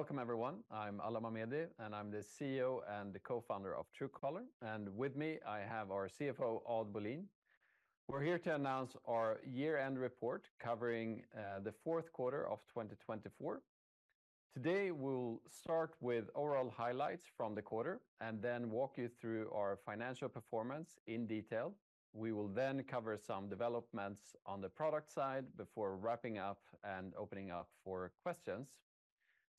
Welcome, everyone. I'm Alan Mamedi, and I'm the CEO and the co-founder of Truecaller. And with me, I have our CFO, Odd Bolin. We're here to announce our year-end report, covering the fourth quarter of 2024. Today, we'll start with overall highlights from the quarter and then walk you through our financial performance in detail. We will then cover some developments on the product side before wrapping up and opening up for questions.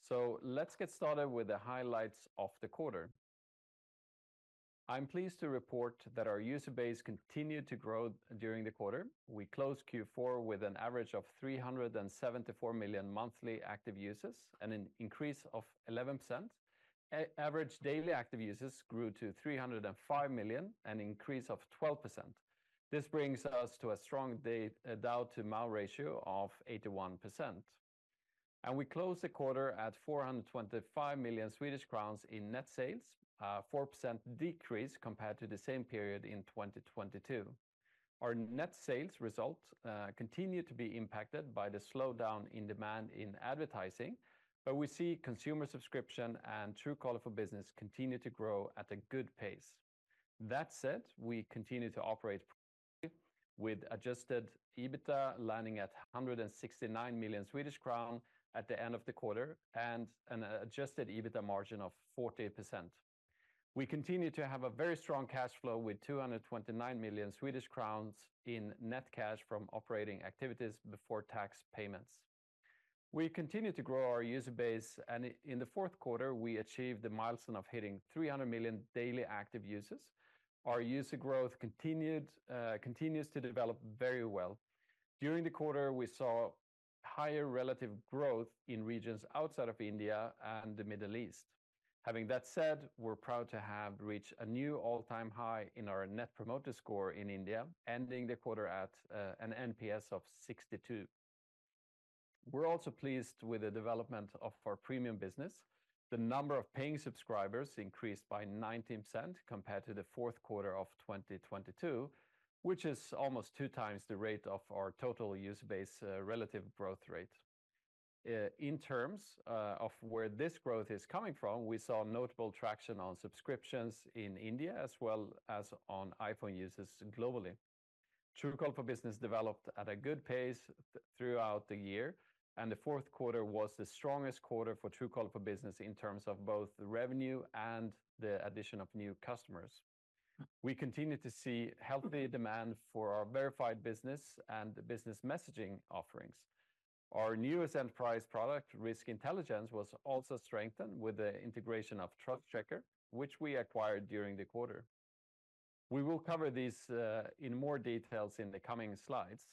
So let's get started with the highlights of the quarter. I'm pleased to report that our user base continued to grow during the quarter. We closed Q4 with an average of 374 million monthly active users, an increase of 11%. Average daily active users grew to 305 million, an increase of 12%. This brings us to a strong DAU to MAU ratio of 81%, and we closed the quarter at 425 million Swedish crowns in net sales, a 4% decrease compared to the same period in 2022. Our net sales results continue to be impacted by the slowdown in demand in advertising, but we see consumer subscription and Truecaller for Business continue to grow at a good pace. That said, we continue to operate with adjusted EBITDA landing at 169 million Swedish crown at the end of the quarter, and an adjusted EBITDA margin of 40%. We continue to have a very strong cash flow, with 229 million Swedish crowns in net cash from operating activities before tax payments. We continue to grow our user base, and in the fourth quarter, we achieved the milestone of hitting 300 million daily active users. Our user growth continued, continues to develop very well. During the quarter, we saw higher relative growth in regions outside of India and the Middle East. Having that said, we're proud to have reached a new all-time high in our Net Promoter Score in India, ending the quarter at an NPS of 62. We're also pleased with the development of our premium business. The number of paying subscribers increased by 19% compared to the fourth quarter of 2022, which is almost 2 times the rate of our total user base relative growth rate. In terms of where this growth is coming from, we saw notable traction on subscriptions in India, as well as on iPhone users globally. Truecaller for Business developed at a good pace throughout the year, and the fourth quarter was the strongest quarter for Truecaller for Business in terms of both the revenue and the addition of new customers. We continue to see healthy demand for our Verified Business and the Business Messaging offerings. Our newest enterprise product, Risk Intelligence, was also strengthened with the integration of TrustCheckr, which we acquired during the quarter. We will cover this in more details in the coming slides,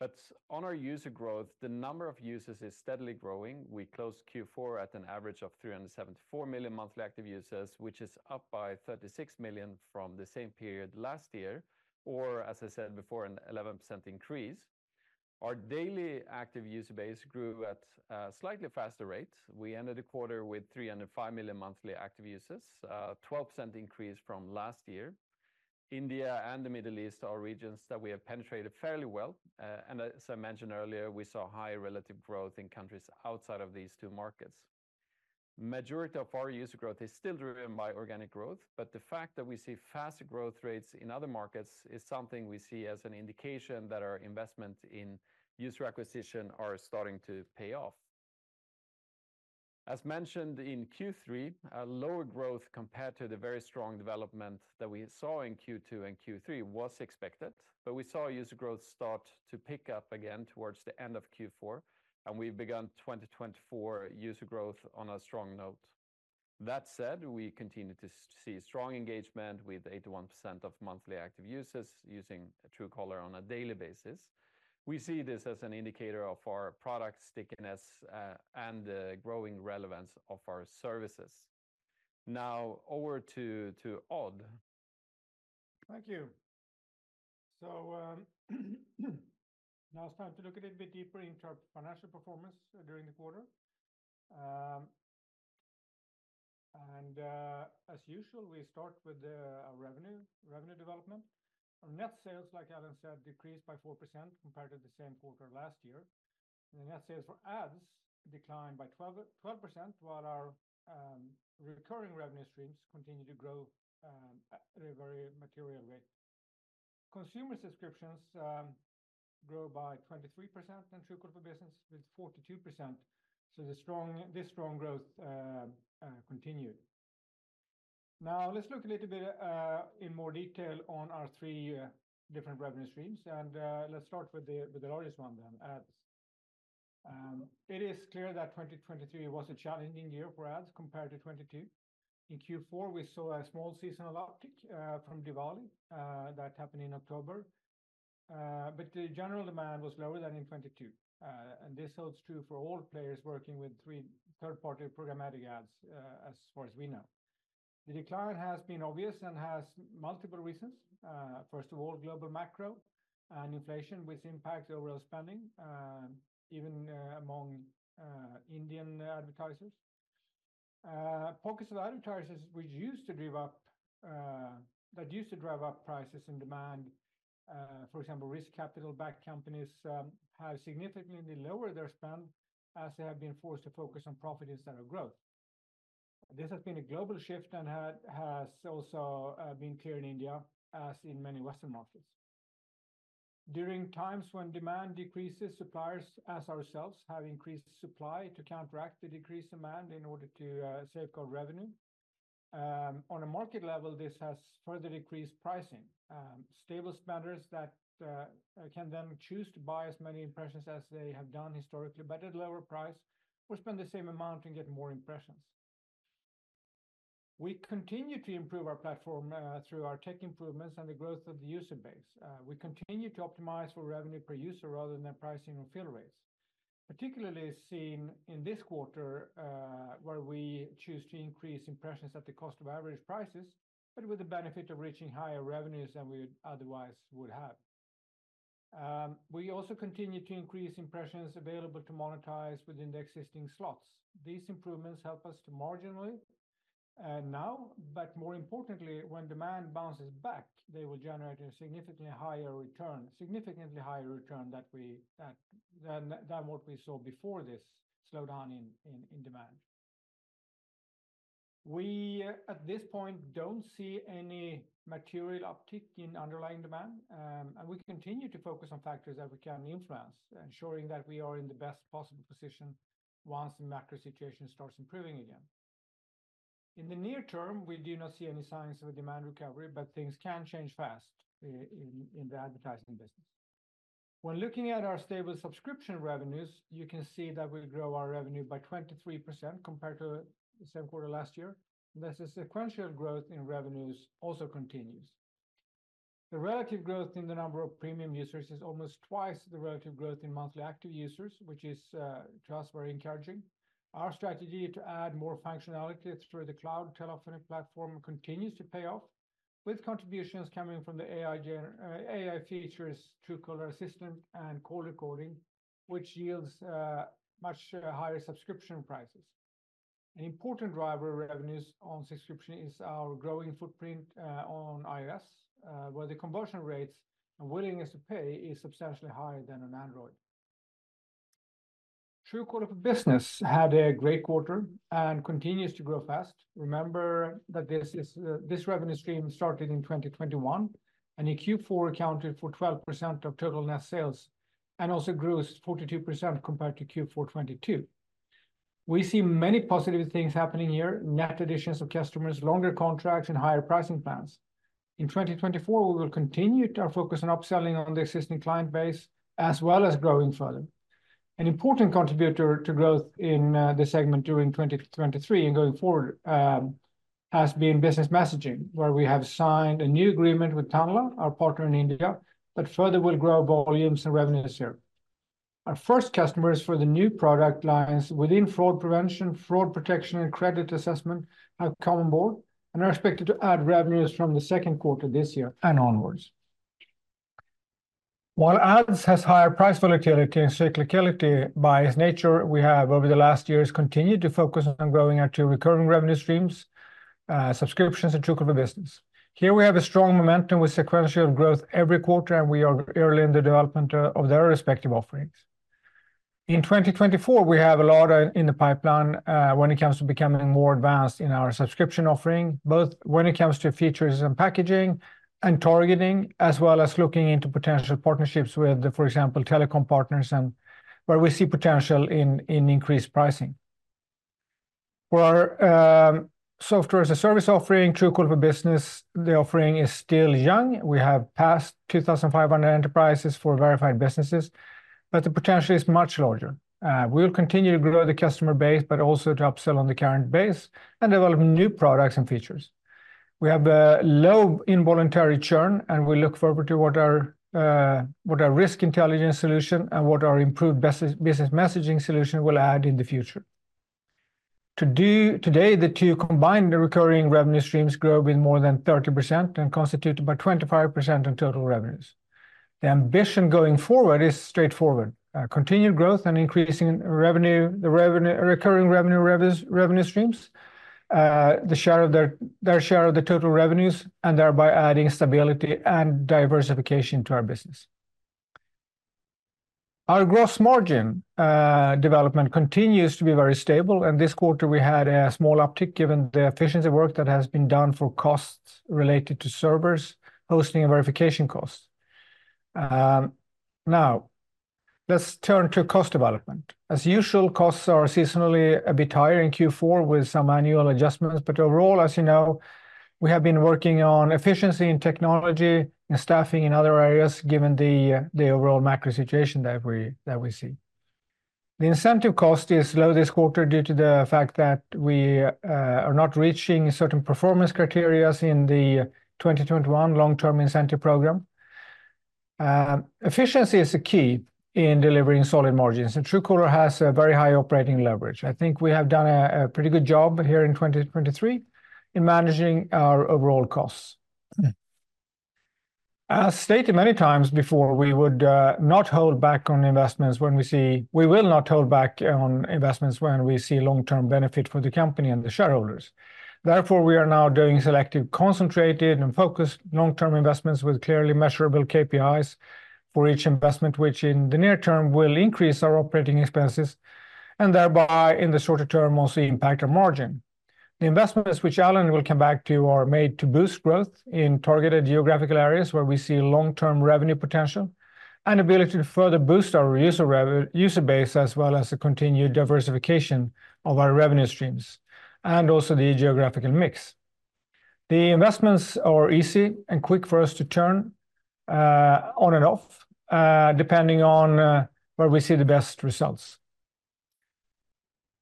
but on our user growth, the number of users is steadily growing. We closed Q4 at an average of 374 million monthly active users, which is up by 36 million from the same period last year, or, as I said before, an 11% increase. Our daily active user base grew at a slightly faster rate. We ended the quarter with 305 million monthly active users, 12% increase from last year. India and the Middle East are regions that we have penetrated fairly well, and as I mentioned earlier, we saw higher relative growth in countries outside of these two markets. Majority of our user growth is still driven by organic growth, but the fact that we see faster growth rates in other markets is something we see as an indication that our investment in user acquisition are starting to pay off. As mentioned in Q3, a lower growth compared to the very strong development that we saw in Q2 and Q3 was expected, but we saw user growth start to pick up again towards the end of Q4, and we've begun 2024 user growth on a strong note. That said, we continue to see strong engagement with 81% of monthly active users using Truecaller on a daily basis. We see this as an indicator of our product stickiness and the growing relevance of our services. Now over to Odd. Thank you. So, now it's time to look a little bit deeper into our financial performance during the quarter. As usual, we start with our revenue, revenue development. Our net sales, like Alan said, decreased by 4% compared to the same quarter last year. The net sales for ads declined by 12, 12%, while our recurring revenue streams continued to grow at a very material rate. Consumer subscriptions grew by 23%, and Truecaller for Business with 42%, so this strong growth continued. Now, let's look a little bit in more detail on our three different revenue streams, and let's start with the largest one, the ads. It is clear that 2023 was a challenging year for ads compared to 2022. In Q4, we saw a small seasonal uptick, from Diwali, that happened in October, but the general demand was lower than in 2022. This holds true for all players working with the third-party programmatic ads, as far as we know. The decline has been obvious and has multiple reasons. First of all, global macro and inflation, which impact overall spending, even among Indian advertisers. Focus of advertisers that used to drive up prices and demand, for example, risk capital-backed companies, have significantly lowered their spend as they have been forced to focus on profit instead of growth. This has been a global shift and has also been clear in India, as in many Western markets. During times when demand decreases, suppliers as ourselves have increased supply to counteract the decreased demand in order to safeguard revenue. On a market level, this has further decreased pricing. Stable spenders that can then choose to buy as many impressions as they have done historically, but at lower price, or spend the same amount and get more impressions. We continue to improve our platform through our tech improvements and the growth of the user base. We continue to optimize for revenue per user rather than pricing or fill rates. Particularly seen in this quarter, where we choose to increase impressions at the cost of average prices, but with the benefit of reaching higher revenues than we would otherwise would have. We also continue to increase impressions available to monetize within the existing slots. These improvements help us to marginally now, but more importantly, when demand bounces back, they will generate a significantly higher return, significantly higher return than what we saw before this slowdown in demand. We, at this point, don't see any material uptick in underlying demand, and we continue to focus on factors that we can influence, ensuring that we are in the best possible position once the macro situation starts improving again. In the near term, we do not see any signs of a demand recovery, but things can change fast in the advertising business. When looking at our stable subscription revenues, you can see that we grow our revenue by 23% compared to the same quarter last year. There's a sequential growth in revenues also continues. The relative growth in the number of premium users is almost twice the relative growth in monthly active users, which is to us very encouraging. Our strategy to add more functionality through the cloud telephony platform continues to pay off, with contributions coming from the AI features, Truecaller Assistant, and call recording, which yields much higher subscription prices. An important driver of revenues on subscription is our growing footprint on iOS, where the conversion rates and willingness to pay is substantially higher than on Android. Truecaller for Business had a great quarter and continues to grow fast. Remember that this is, this revenue stream started in 2021, and in Q4 accounted for 12% of total net sales, and also grew 42% compared to Q4 2022. We see many positive things happening here: net additions of customers, longer contracts, and higher pricing plans. In 2024, we will continue to focus on upselling on the existing client base, as well as growing further. An important contributor to growth in this segment during 2023 and going forward has been Business Messaging, where we have signed a new agreement with Tanla, our partner in India, that further will grow volumes and revenues here. Our first customers for the new product lines within fraud prevention, fraud protection, and credit assessment have come on board and are expected to add revenues from the second quarter this year and onwards. While ads has higher price volatility and cyclicality by its nature, we have, over the last years, continued to focus on growing our two recurring revenue streams, subscriptions and Truecaller Business. Here we have a strong momentum with sequential growth every quarter, and we are early in the development of their respective offerings. In 2024, we have a lot in the pipeline when it comes to becoming more advanced in our subscription offering, both when it comes to features and packaging and targeting, as well as looking into potential partnerships with, for example, telecom partners and where we see potential in increased pricing. For our software as a service offering, Truecaller Business, the offering is still young. We have passed 2,500 enterprises for Verified Businesses, but the potential is much larger. We will continue to grow the customer base, but also to upsell on the current base and develop new products and features. We have a low involuntary churn, and we look forward to what our Risk Intelligence solution and what our improved Business Messaging solution will add in the future. Today, the two combined recurring revenue streams grow with more than 30% and constitute about 25% of total revenues. The ambition going forward is straightforward, continued growth and increasing revenue, recurring revenue streams, the share of their share of the total revenues, and thereby adding stability and diversification to our business. Our gross margin development continues to be very stable, and this quarter we had a small uptick, given the efficiency work that has been done for costs related to servers, hosting and verification costs. Now, let's turn to cost development. As usual, costs are seasonally a bit higher in Q4 with some annual adjustments, but overall, as you know, we have been working on efficiency in technology and staffing in other areas, given the overall macro situation that we see. The incentive cost is low this quarter due to the fact that we are not reaching certain performance criteria in the 2021 long-term incentive program. Efficiency is the key in delivering solid margins, and Truecaller has a very high operating leverage. I think we have done a pretty good job here in 2023 in managing our overall costs. As stated many times before, we will not hold back on investments when we see long-term benefit for the company and the shareholders. Therefore, we are now doing selective, concentrated, and focused long-term investments with clearly measurable KPIs for each investment, which in the near term will increase our operating expenses, and thereby, in the shorter term, will see impact our margin. The investments, which Alan will come back to, are made to boost growth in targeted geographical areas where we see long-term revenue potential and ability to further boost our user reve-- user base, as well as the continued diversification of our revenue streams, and also the geographical mix. The investments are easy and quick for us to turn on and off, depending on where we see the best results.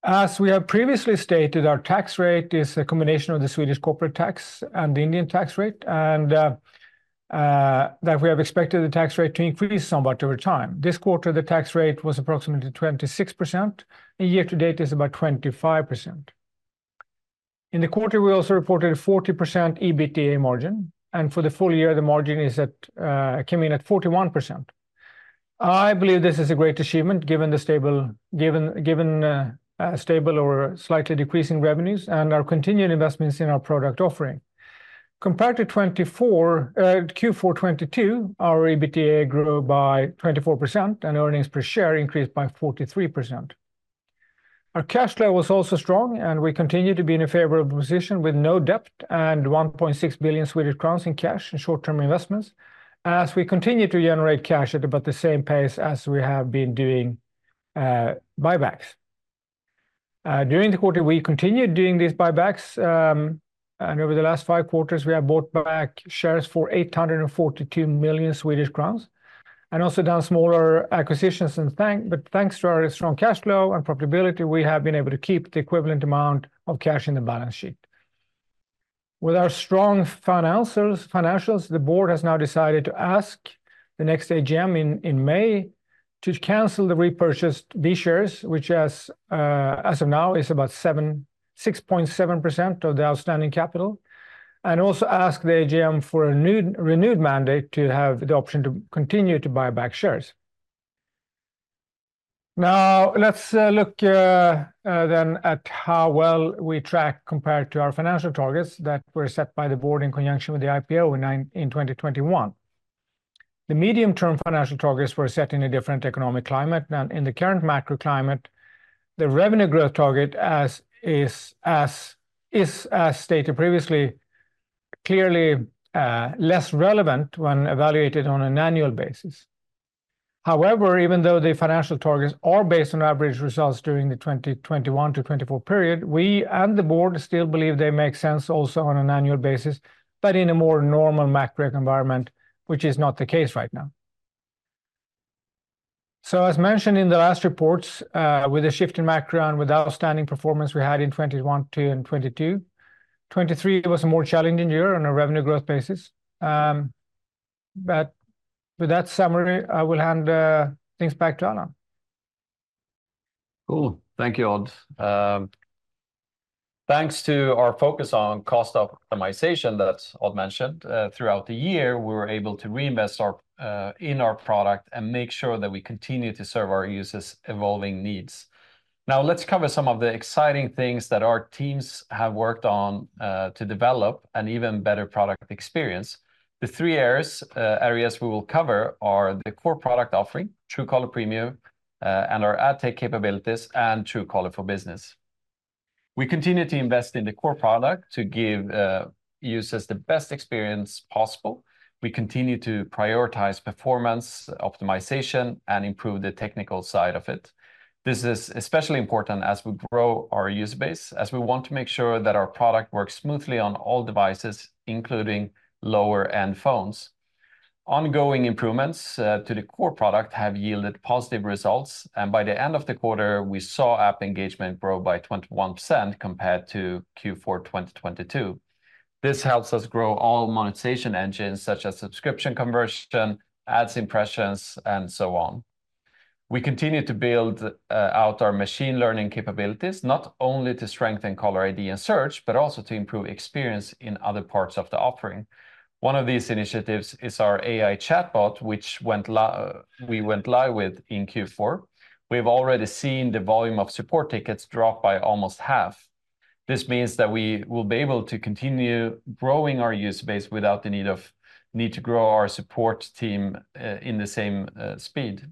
As we have previously stated, our tax rate is a combination of the Swedish corporate tax and the Indian tax rate, and that we have expected the tax rate to increase somewhat over time. This quarter, the tax rate was approximately 26%, and year to date is about 25%. In the quarter, we also reported a 40% EBITDA margin, and for the full year, the margin is at, came in at 41%. I believe this is a great achievement, given the stable or slightly decreasing revenues and our continued investments in our product offering. Compared to 2024, Q4 2022, our EBITDA grew by 24%, and earnings per share increased by 43%. Our cash flow was also strong, and we continue to be in a favorable position with no debt and 1.6 billion Swedish crowns in cash and short-term investments, as we continue to generate cash at about the same pace as we have been doing, buybacks. During the quarter, we continued doing these buybacks, and over the last five quarters, we have bought back shares for 842 million Swedish crowns, and also done smaller acquisitions, but thanks to our strong cash flow and profitability, we have been able to keep the equivalent amount of cash in the balance sheet. With our strong financials, the board has now decided to ask the next AGM in May to cancel the repurchased B shares, which, as of now, is about 6.7% of the outstanding capital, and also ask the AGM for a new renewed mandate to have the option to continue to buy back shares. Now, let's look then at how well we track compared to our financial targets that were set by the board in conjunction with the IPO in 2021. The medium-term financial targets were set in a different economic climate. Now, in the current macro climate, the revenue growth target, as is, as stated previously, clearly less relevant when evaluated on an annual basis. However, even though the financial targets are based on average results during the 2021-2024 period, we and the board still believe they make sense also on an annual basis, but in a more normal macro environment, which is not the case right now. So as mentioned in the last reports, with a shift in macro and with the outstanding performance we had in 2021, 2022, and 2022, 2023 was a more challenging year on a revenue growth basis. But with that summary, I will hand things back to Alan. Cool. Thank you, Odd. Thanks to our focus on cost optimization that Odd mentioned, throughout the year, we were able to reinvest our, in our product and make sure that we continue to serve our users' evolving needs. Now, let's cover some of the exciting things that our teams have worked on, to develop an even better product experience. The three areas we will cover are the core product offering, Truecaller Premium, and our ad tech capabilities, and Truecaller for Business. We continue to invest in the core product to give users the best experience possible. We continue to prioritize performance, optimization, and improve the technical side of it. This is especially important as we grow our user base, as we want to make sure that our product works smoothly on all devices, including lower-end phones. Ongoing improvements to the core product have yielded positive results, and by the end of the quarter, we saw app engagement grow by 21% compared to Q4 2022. This helps us grow all monetization engines, such as subscription conversion, ads impressions, and so on. We continue to build out our machine learning capabilities, not only to strengthen caller ID and search, but also to improve experience in other parts of the offering. One of these initiatives is our AI chatbot, which we went live with in Q4. We've already seen the volume of support tickets drop by almost half. This means that we will be able to continue growing our user base without the need to grow our support team in the same speed.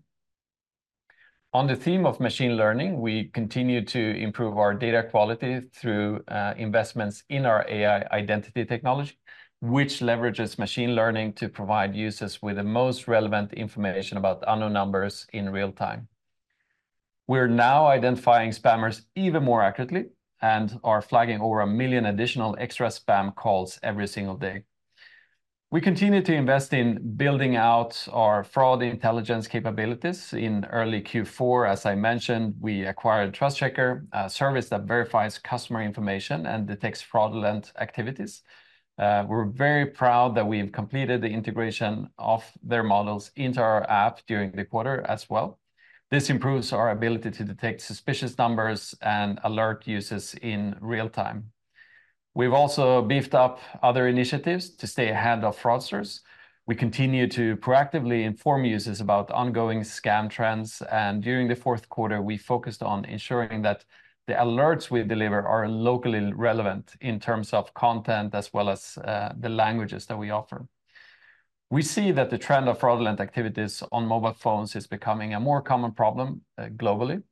On the theme of machine learning, we continue to improve our data quality through investments in our AI identity technology, which leverages machine learning to provide users with the most relevant information about unknown numbers in real time. We're now identifying spammers even more accurately and are flagging over a million additional extra spam calls every single day. We continue to invest in building out our fraud intelligence capabilities. In early Q4, as I mentioned, we acquired TrustCheckr, a service that verifies customer information and detects fraudulent activities. We're very proud that we have completed the integration of their models into our app during the quarter as well. This improves our ability to detect suspicious numbers and alert users in real time. We've also beefed up other initiatives to stay ahead of fraudsters. We continue to proactively inform users about ongoing scam trends, and during the fourth quarter, we focused on ensuring that the alerts we deliver are locally relevant in terms of content as well as the languages that we offer.... We see that the trend of fraudulent activities on mobile phones is becoming a more common problem globally.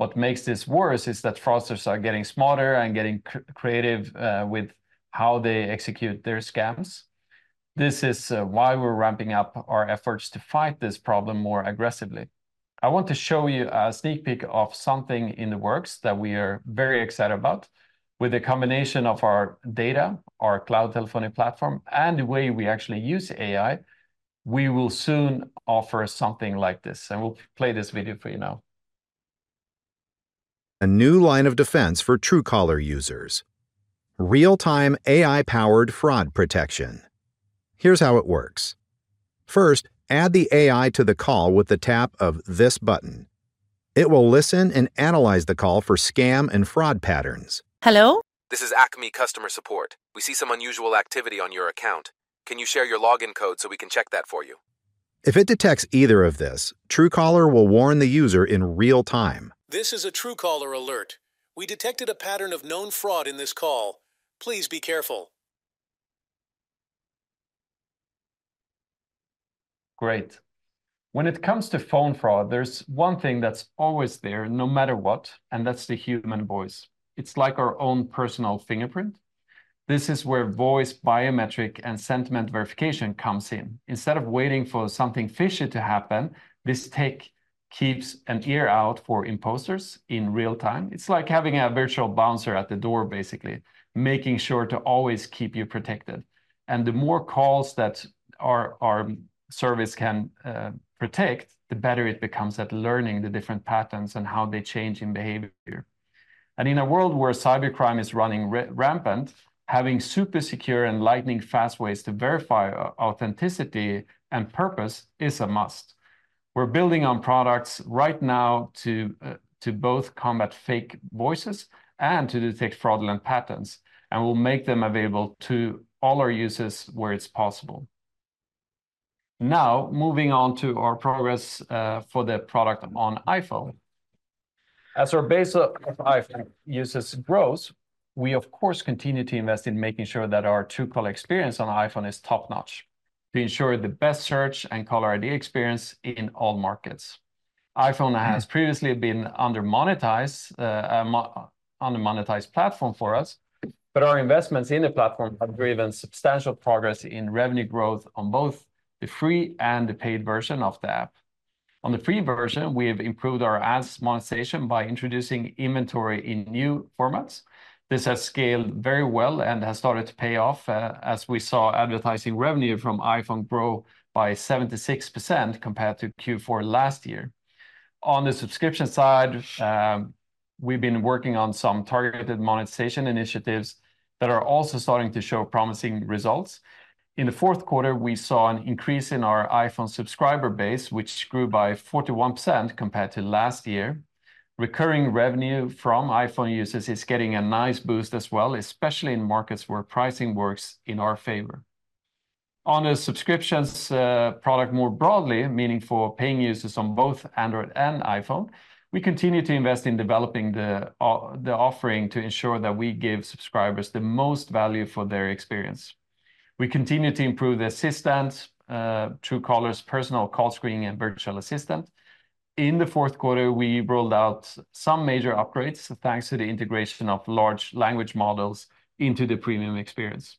What makes this worse is that fraudsters are getting smarter and getting creative with how they execute their scams. This is why we're ramping up our efforts to fight this problem more aggressively. I want to show you a sneak peek of something in the works that we are very excited about. With a combination of our data, our cloud telephony platform, and the way we actually use AI, we will soon offer something like this, and we'll play this video for you now. A new line of defense for Truecaller users: real-time AI-powered fraud protection. Here's how it works. First, add the AI to the call with the tap of this button. It will listen and analyze the call for scam and fraud patterns. Hello? This is Acme Customer Support. We see some unusual activity on your account. Can you share your login code, so we can check that for you? If it detects either of this, Truecaller will warn the user in real time. This is a Truecaller alert. We detected a pattern of known fraud in this call. Please be careful. Great. When it comes to phone fraud, there's one thing that's always there, no matter what, and that's the human voice. It's like our own personal fingerprint. This is where voice biometric and sentiment verification comes in. Instead of waiting for something fishy to happen, this tech keeps an ear out for imposters in real time. It's like having a virtual bouncer at the door, basically, making sure to always keep you protected. And the more calls that our service can protect, the better it becomes at learning the different patterns and how they change in behavior. And in a world where cybercrime is running rampant, having super secure and lightning-fast ways to verify authenticity and purpose is a must. We're building on products right now to both combat fake voices and to detect fraudulent patterns, and we'll make them available to all our users where it's possible. Now, moving on to our progress for the product on iPhone. As our base of iPhone users grows, we, of course, continue to invest in making sure that our Truecaller experience on iPhone is top-notch, to ensure the best search and caller ID experience in all markets. iPhone has previously been under-monetized platform for us, but our investments in the platform have driven substantial progress in revenue growth on both the free and the paid version of the app. On the free version, we have improved our ads monetization by introducing inventory in new formats. This has scaled very well and has started to pay off, as we saw advertising revenue from iPhone grow by 76%, compared to Q4 last year. On the subscription side, we've been working on some targeted monetization initiatives that are also starting to show promising results. In the fourth quarter, we saw an increase in our iPhone subscriber base, which grew by 41%, compared to last year. Recurring revenue from iPhone users is getting a nice boost as well, especially in markets where pricing works in our favor. On the subscriptions, product, more broadly, meaning for paying users on both Android and iPhone, we continue to invest in developing the offering to ensure that we give subscribers the most value for their experience. We continue to improve the Assistant, Truecaller's personal call screening and virtual assistant. In the fourth quarter, we rolled out some major upgrades, thanks to the integration of large language models into the premium experience.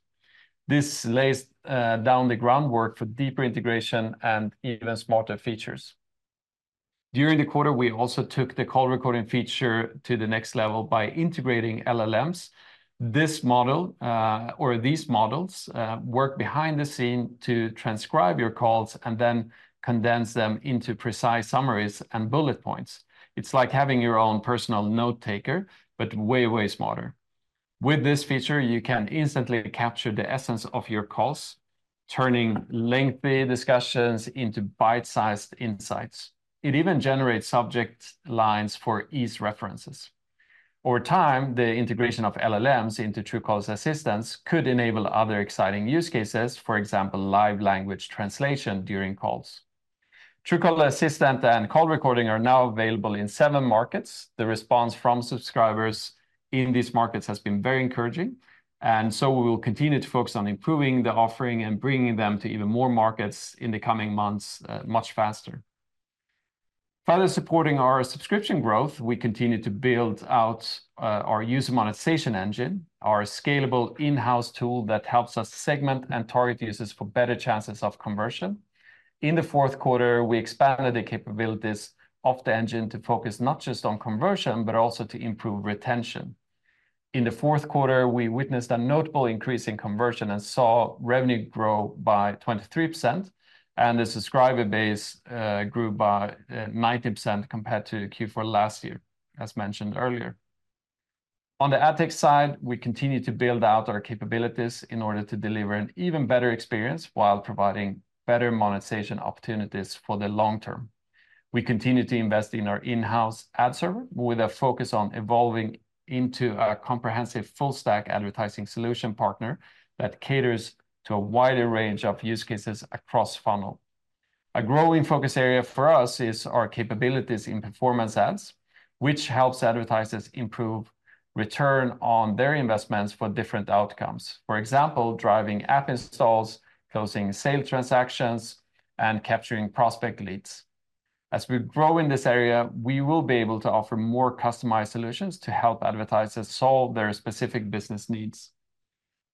This lays down the groundwork for deeper integration and even smarter features. During the quarter, we also took the call recording feature to the next level by integrating LLMs. This model or these models work behind the scene to transcribe your calls, and then condense them into precise summaries and bullet points. It's like having your own personal note-taker, but way, way smarter. With this feature, you can instantly capture the essence of your calls, turning lengthy discussions into bite-sized insights. It even generates subject lines for ease references. Over time, the integration of LLMs into Truecaller's Assistants could enable other exciting use cases, for example, live language translation during calls. Truecaller Assistant and call recording are now available in seven markets. The response from subscribers in these markets has been very encouraging, and so we will continue to focus on improving the offering and bringing them to even more markets in the coming months, much faster. Further supporting our subscription growth, we continue to build out our user monetization engine, our scalable in-house tool that helps us segment and target users for better chances of conversion. In the fourth quarter, we expanded the capabilities of the engine to focus not just on conversion, but also to improve retention. In the fourth quarter, we witnessed a notable increase in conversion and saw revenue grow by 23%, and the subscriber base grew by 90%, compared to Q4 last year, as mentioned earlier. On the ad tech side, we continue to build out our capabilities in order to deliver an even better experience, while providing better monetization opportunities for the long term. We continue to invest in our in-house ad server, with a focus on evolving into a comprehensive full-stack advertising solution partner that caters to a wider range of use cases across funnel. A growing focus area for us is our capabilities in performance ads, which helps advertisers improve return on their investments for different outcomes. For example, driving app installs, closing sale transactions, and capturing prospect leads. As we grow in this area, we will be able to offer more customized solutions to help advertisers solve their specific business needs.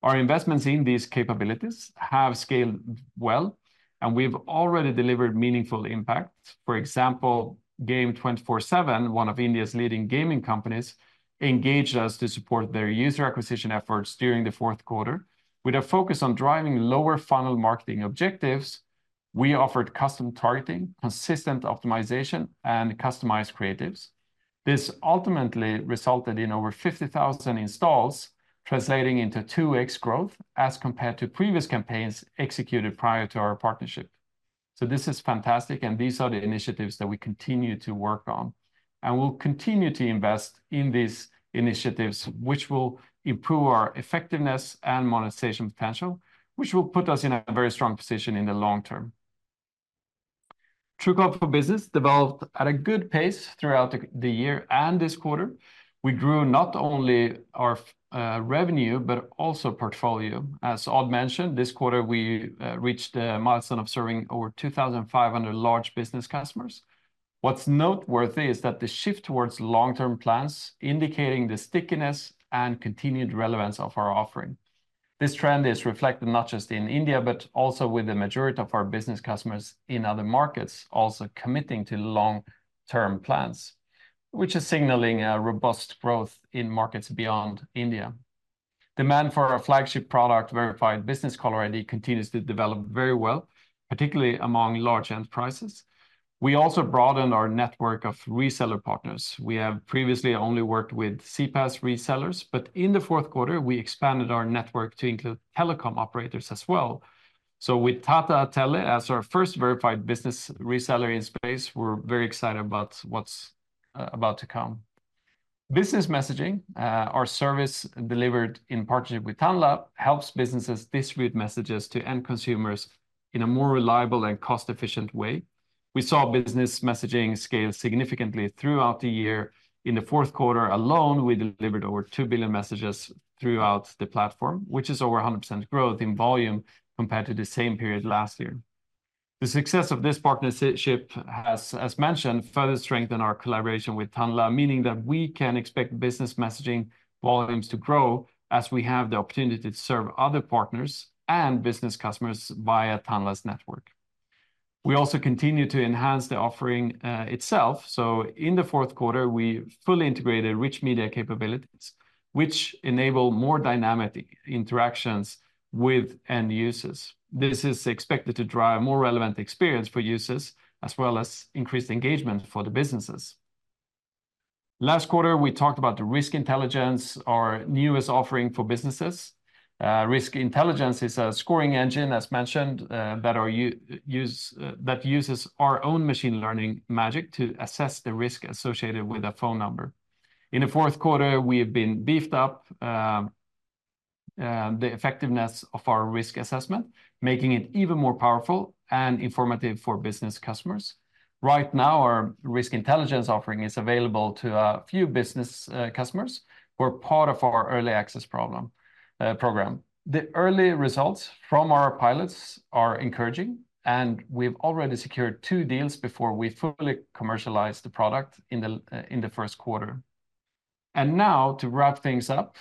Our investments in these capabilities have scaled well, and we've already delivered meaningful impact. For example, Games24x7, one of India's leading gaming companies, engaged us to support their user acquisition efforts during the fourth quarter. With a focus on driving lower funnel marketing objectives, we offered custom targeting, consistent optimization, and customized creatives. This ultimately resulted in over 50,000 installs, translating into 2x growth as compared to previous campaigns executed prior to our partnership. So this is fantastic, and these are the initiatives that we continue to work on, and we'll continue to invest in these initiatives, which will improve our effectiveness and monetization potential, which will put us in a very strong position in the long term. Truecaller for Business developed at a good pace throughout the year and this quarter. We grew not only our revenue, but also portfolio. As Odd mentioned, this quarter, we reached a milestone of serving over 2,500 large business customers. What's noteworthy is that the shift towards long-term plans, indicating the stickiness and continued relevance of our offering. This trend is reflected not just in India, but also with the majority of our business customers in other markets, also committing to long-term plans, which is signaling a robust growth in markets beyond India. Demand for our flagship product, Verified Business Caller ID, continues to develop very well, particularly among large enterprises. We also broadened our network of reseller partners. We have previously only worked with CPaaS resellers, but in the fourth quarter, we expanded our network to include telecom operators as well. So with Tata Tele as our first Verified Business reseller in space, we're very excited about what's about to come. Business messaging, our service delivered in partnership with Tanla Platforms, helps businesses distribute messages to end consumers in a more reliable and cost-efficient way. We saw Business Messaging scale significantly throughout the year. In the fourth quarter alone, we delivered over 2 billion messages throughout the platform, which is over 100% growth in volume compared to the same period last year. The success of this partnership has, as mentioned, further strengthened our collaboration with Tanla Platforms, meaning that we can expect Business Messaging volumes to grow as we have the opportunity to serve other partners and business customers via Tanla Platforms' network. We also continue to enhance the offering, itself. So in the fourth quarter, we fully integrated rich media capabilities, which enable more dynamic interactions with end users. This is expected to drive a more relevant experience for users, as well as increased engagement for the businesses. Last quarter, we talked about the Risk Intelligence, our newest offering for businesses. Risk Intelligence is a scoring engine, as mentioned, that uses our own machine learning magic to assess the risk associated with a phone number. In the fourth quarter, we have been beefed up the effectiveness of our risk assessment, making it even more powerful and informative for business customers. Right now, our Risk Intelligence offering is available to a few business customers, who are part of our early access program. The early results from our pilots are encouraging, and we've already secured two deals before we fully commercialize the product in the first quarter. Now to wrap things up,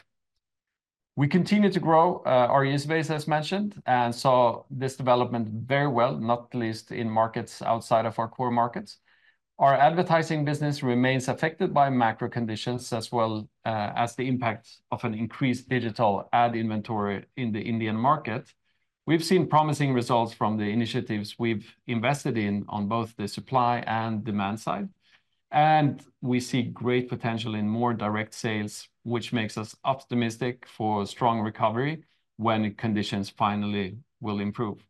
we continue to grow our user base, as mentioned, and saw this development very well, not least in markets outside of our core markets. Our advertising business remains affected by macro conditions, as well, as the impact of an increased digital ad inventory in the Indian market. We've seen promising results from the initiatives we've invested in on both the supply and demand side, and we see great potential in more direct sales, which makes us optimistic for a strong recovery when conditions finally will improve.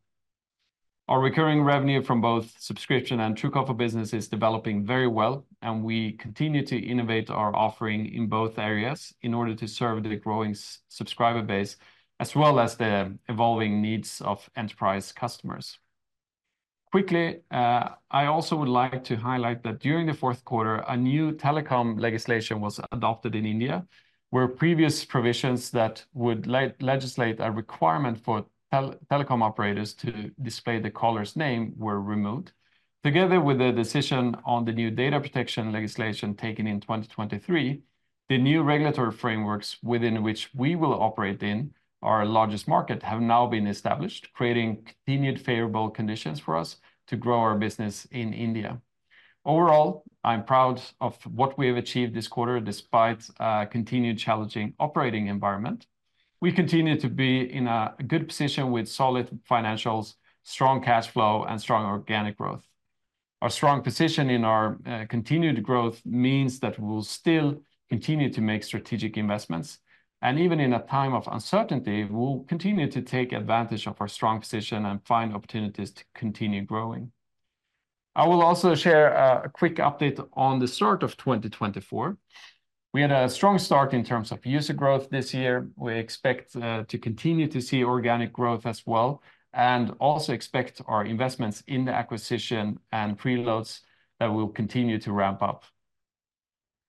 Our recurring revenue from both subscription and Truecaller business is developing very well, and we continue to innovate our offering in both areas in order to serve the growing subscriber base, as well as the evolving needs of enterprise customers. Quickly, I also would like to highlight that during the fourth quarter, a new telecom legislation was adopted in India, where previous provisions that would legislate a requirement for telecom operators to display the caller's name were removed. Together with the decision on the new data protection legislation taken in 2023, the new regulatory frameworks within which we will operate in our largest market have now been established, creating continued favorable conditions for us to grow our business in India. Overall, I'm proud of what we have achieved this quarter, despite a continued challenging operating environment. We continue to be in a good position with solid financials, strong cash flow, and strong organic growth. Our strong position and our continued growth means that we'll still continue to make strategic investments, and even in a time of uncertainty, we'll continue to take advantage of our strong position and find opportunities to continue growing. I will also share a quick update on the start of 2024. We had a strong start in terms of user growth this year. We expect to continue to see organic growth as well, and also expect our investments in the acquisition and preloads that will continue to ramp up.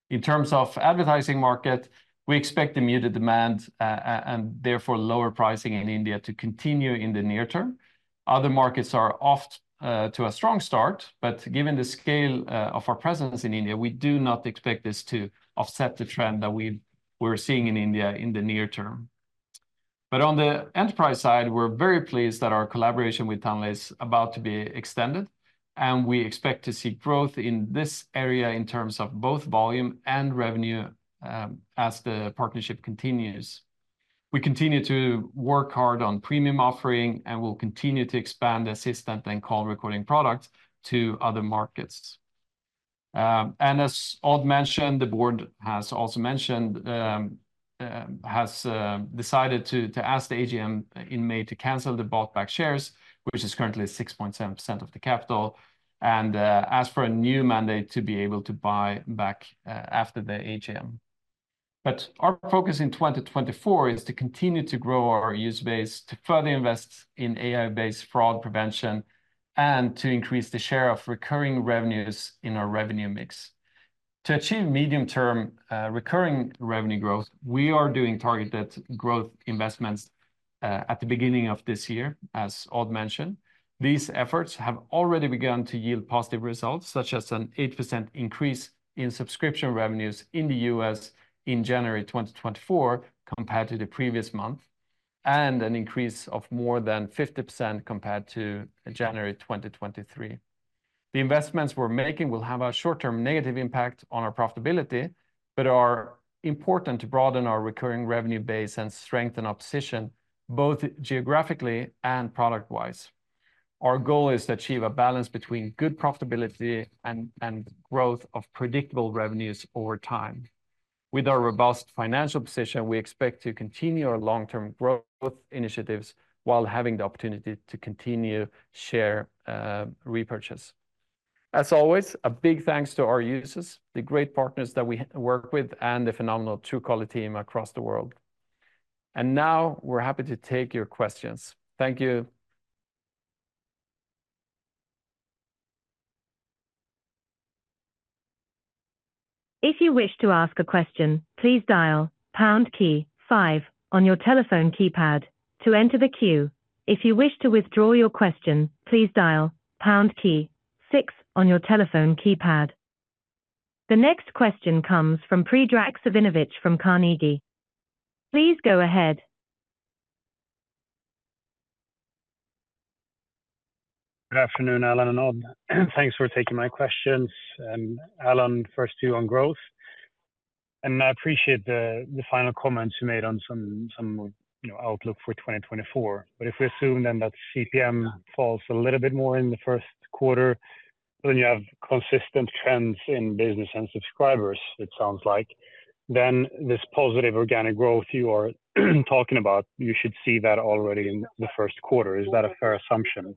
In terms of advertising market, we expect the muted demand and therefore lower pricing in India to continue in the near term. Other markets are off to a strong start, but given the scale of our presence in India, we do not expect this to offset the trend that we're seeing in India in the near term. But on the enterprise side, we're very pleased that our collaboration with Tanla is about to be extended, and we expect to see growth in this area in terms of both volume and revenue, as the partnership continues. We continue to work hard on premium offering, and we'll continue to expand the Assistant and call recording products to other markets. As Odd mentioned, the board has also decided to ask the AGM in May to cancel the bought back shares, which is currently 6.7% of the capital, and ask for a new mandate to be able to buy back after the AGM. But our focus in 2024 is to continue to grow our user base, to further invest in AI-based fraud prevention, and to increase the share of recurring revenues in our revenue mix. To achieve medium-term recurring revenue growth, we are doing targeted growth investments at the beginning of this year, as Odd mentioned. These efforts have already begun to yield positive results, such as an 8% increase in subscription revenues in the U.S. in January 2024 compared to the previous month, and an increase of more than 50% compared to January 2023. The investments we're making will have a short-term negative impact on our profitability, but are important to broaden our recurring revenue base and strengthen our position, both geographically and product-wise. Our goal is to achieve a balance between good profitability and growth of predictable revenues over time. With our robust financial position, we expect to continue our long-term growth initiatives while having the opportunity to continue share repurchase. As always, a big thanks to our users, the great partners that we work with, and the phenomenal Truecaller team across the world. Now we're happy to take your questions. Thank you. If you wish to ask a question, please dial pound key five on your telephone keypad to enter the queue. If you wish to withdraw your question, please dial pound key six on your telephone keypad. The next question comes from Predrag Savinovic from Carnegie. Please go ahead. Good afternoon, Alan and Odd. Thanks for taking my questions. Alan, first to you on growth. And I appreciate the final comments you made on some, you know, outlook for 2024. But if we assume then that CPM falls a little bit more in the first quarter, then you have consistent trends in business and subscribers, it sounds like, then this positive organic growth you are talking about, you should see that already in the first quarter. Is that a fair assumption?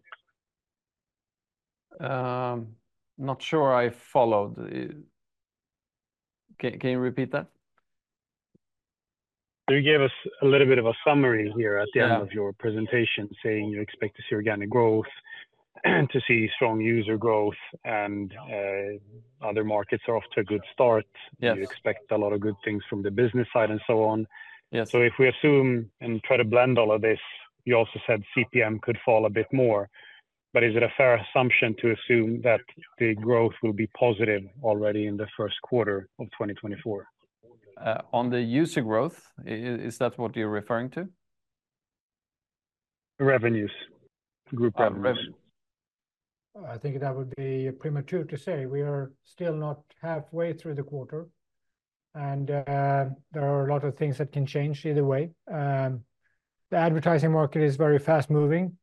Not sure I followed. Can you repeat that? You gave us a little bit of a summary here at the end- Yeah... of your presentation, saying you expect to see organic growth, and to see strong user growth, and other markets are off to a good start. Yes. You expect a lot of good things from the business side and so on. Yes. So if we assume and try to blend all of this, you also said CPM could fall a bit more, but is it a fair assumption to assume that the growth will be positive already in the first quarter of 2024? On the user growth, is that what you're referring to? Revenues, group revenues. Uh, re- I think that would be premature to say. We are still not halfway through the quarter, and there are a lot of things that can change either way. The advertising market is very fast-moving.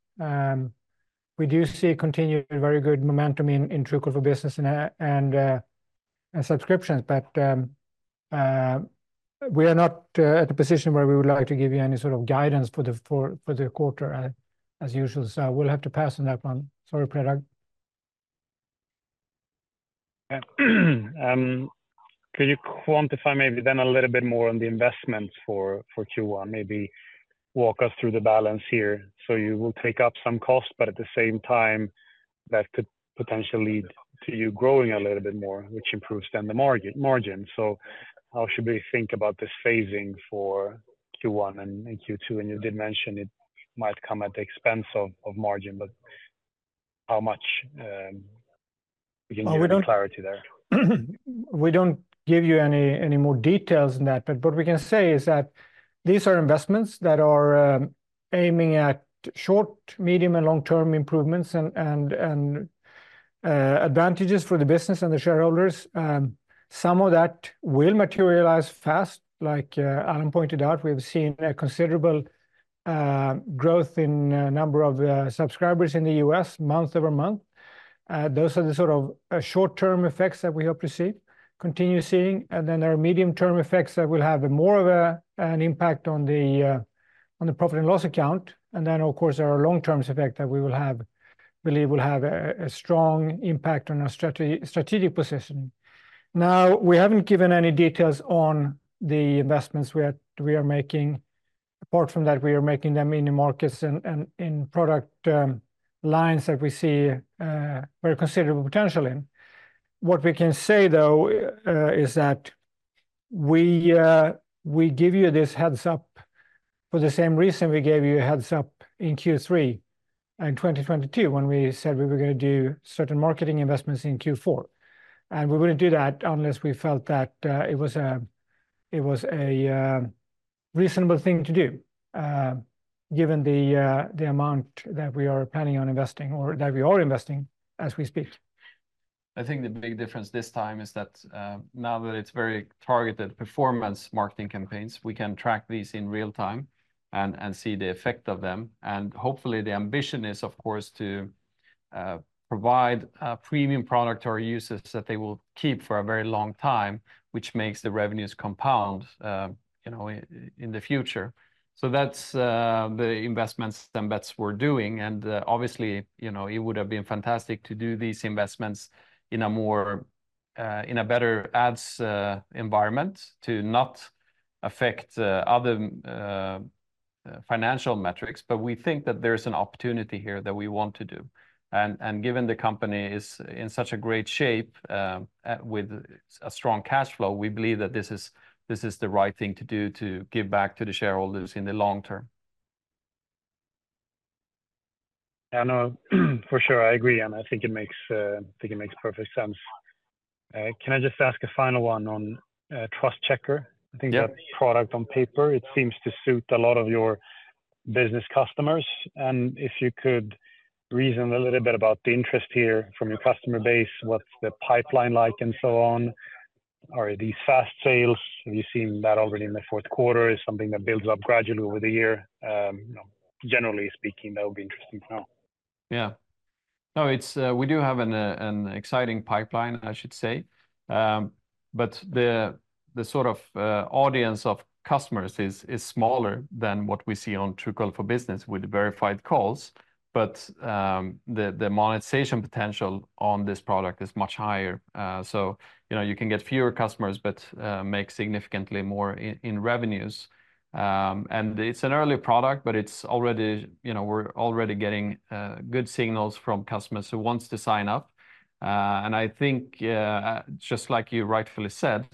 We do see continued very good momentum in Truecaller business and subscriptions, but we are not at a position where we would like to give you any sort of guidance for the quarter, as usual, so we'll have to pass on that one. Sorry, Predrag. Could you quantify maybe then a little bit more on the investments for Q1? Maybe walk us through the balance here. So you will take up some cost, but at the same time, that could potentially lead to you growing a little bit more, which improves then the margin. So how should we think about this phasing for Q1 and Q2? And you did mention it might come at the expense of margin, but how much we can get- Well, we don't-... clarity there? We don't give you any more details than that, but what we can say is that these are investments that are aiming at short, medium, and long-term improvements, and advantages for the business and the shareholders. Some of that will materialize fast. Like, Alan pointed out, we have seen a considerable growth in a number of subscribers in the U.S. month-over-month. Those are the sort of short-term effects that we hope to see, continue seeing, and then there are medium-term effects that will have more of an impact on the profit and loss account. And then, of course, there are long-term effects that we believe will have a strong impact on our strategic positioning. Now, we haven't given any details on the investments we are making. Apart from that, we are making them in the markets and in product lines that we see very considerable potential in. What we can say, though, is that we give you this heads-up for the same reason we gave you a heads-up in Q3, in 2022, when we said we were gonna do certain marketing investments in Q4. We wouldn't do that unless we felt that it was a reasonable thing to do, given the amount that we are planning on investing or that we are investing as we speak. I think the big difference this time is that now that it's very targeted performance marketing campaigns, we can track these in real time and see the effect of them. And hopefully, the ambition is, of course, to provide a premium product to our users that they will keep for a very long time, which makes the revenues compound, you know, in the future. So that's the investments, the bets we're doing, and obviously, you know, it would have been fantastic to do these investments in a more in a better ads environment to not affect other financial metrics. But we think that there's an opportunity here that we want to do. Given the company is in such a great shape, with a strong cash flow, we believe that this is the right thing to do to give back to the shareholders in the long term. I know, for sure, I agree, and I think it makes perfect sense. Can I just ask a final one on TrustCheckr? Yeah. I think that product on paper, it seems to suit a lot of your business customers, and if you could reason a little bit about the interest here from your customer base, what's the pipeline like, and so on. Are these fast sales? Have you seen that already in the fourth quarter? Is something that builds up gradually over the year? You know, generally speaking, that would be interesting to know. Yeah. No, it's we do have an exciting pipeline, I should say. But the sort of audience of customers is smaller than what we see on Truecaller Business with verified calls, but the monetization potential on this product is much higher. So, you know, you can get fewer customers, but make significantly more in revenues. And it's an early product, but it's already, you know, we're already getting good signals from customers who wants to sign up. And I think, just like you rightfully said,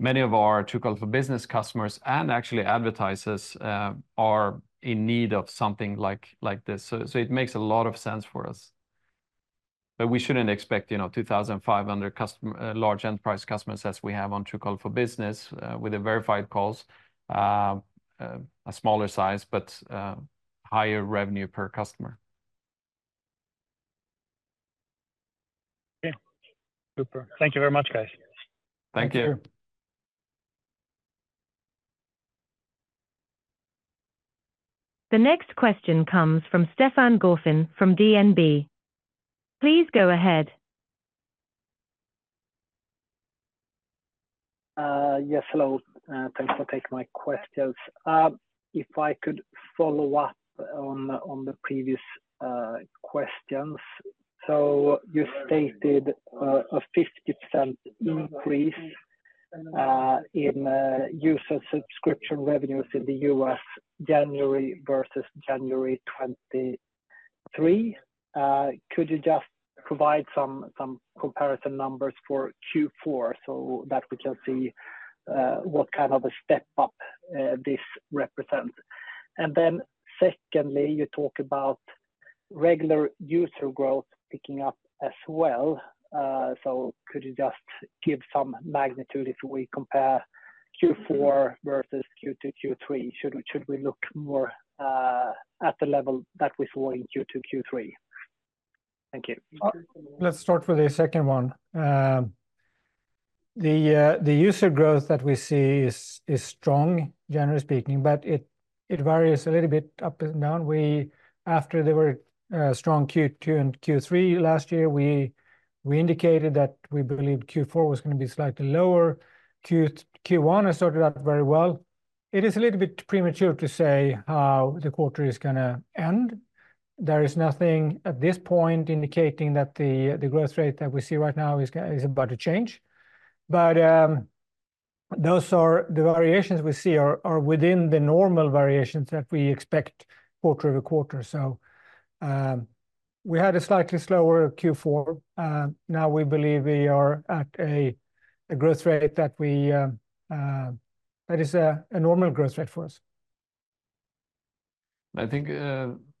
many of our Truecaller Business customers and actually advertisers are in need of something like this. So it makes a lot of sense for us. But we shouldn't expect, you know, 2,500 customer, large enterprise customers, as we have on Truecaller Business, with the verified calls. A smaller size, but, higher revenue per customer. Yeah. Super. Thank you very much, guys. Thank you. Thank you. The next question comes from Stefan Gauffin from DNB. Please go ahead. Yes, hello. Thanks for taking my questions. If I could follow up on the previous questions. So you stated a 50% increase in user subscription revenues in the U.S., January versus January 2023. Could you just provide some comparison numbers for Q4 so that we can see what kind of a step up this represent? And then secondly, you talk about regular user growth picking up as well. So could you just give some magnitude if we compare Q4 versus Q2, Q3? Should we look more at the level that we saw in Q2, Q3? Thank you. Let's start with the second one. The user growth that we see is strong, generally speaking, but it varies a little bit up and down. After there were strong Q2 and Q3 last year, we indicated that we believed Q4 was gonna be slightly lower. Q1 has started out very well. It is a little bit premature to say how the quarter is gonna end. There is nothing at this point indicating that the growth rate that we see right now is about to change. But those are the variations we see are within the normal variations that we expect quarter-over-quarter. So, we had a slightly slower Q4, now we believe we are at a growth rate that we that is a normal growth rate for us. I think,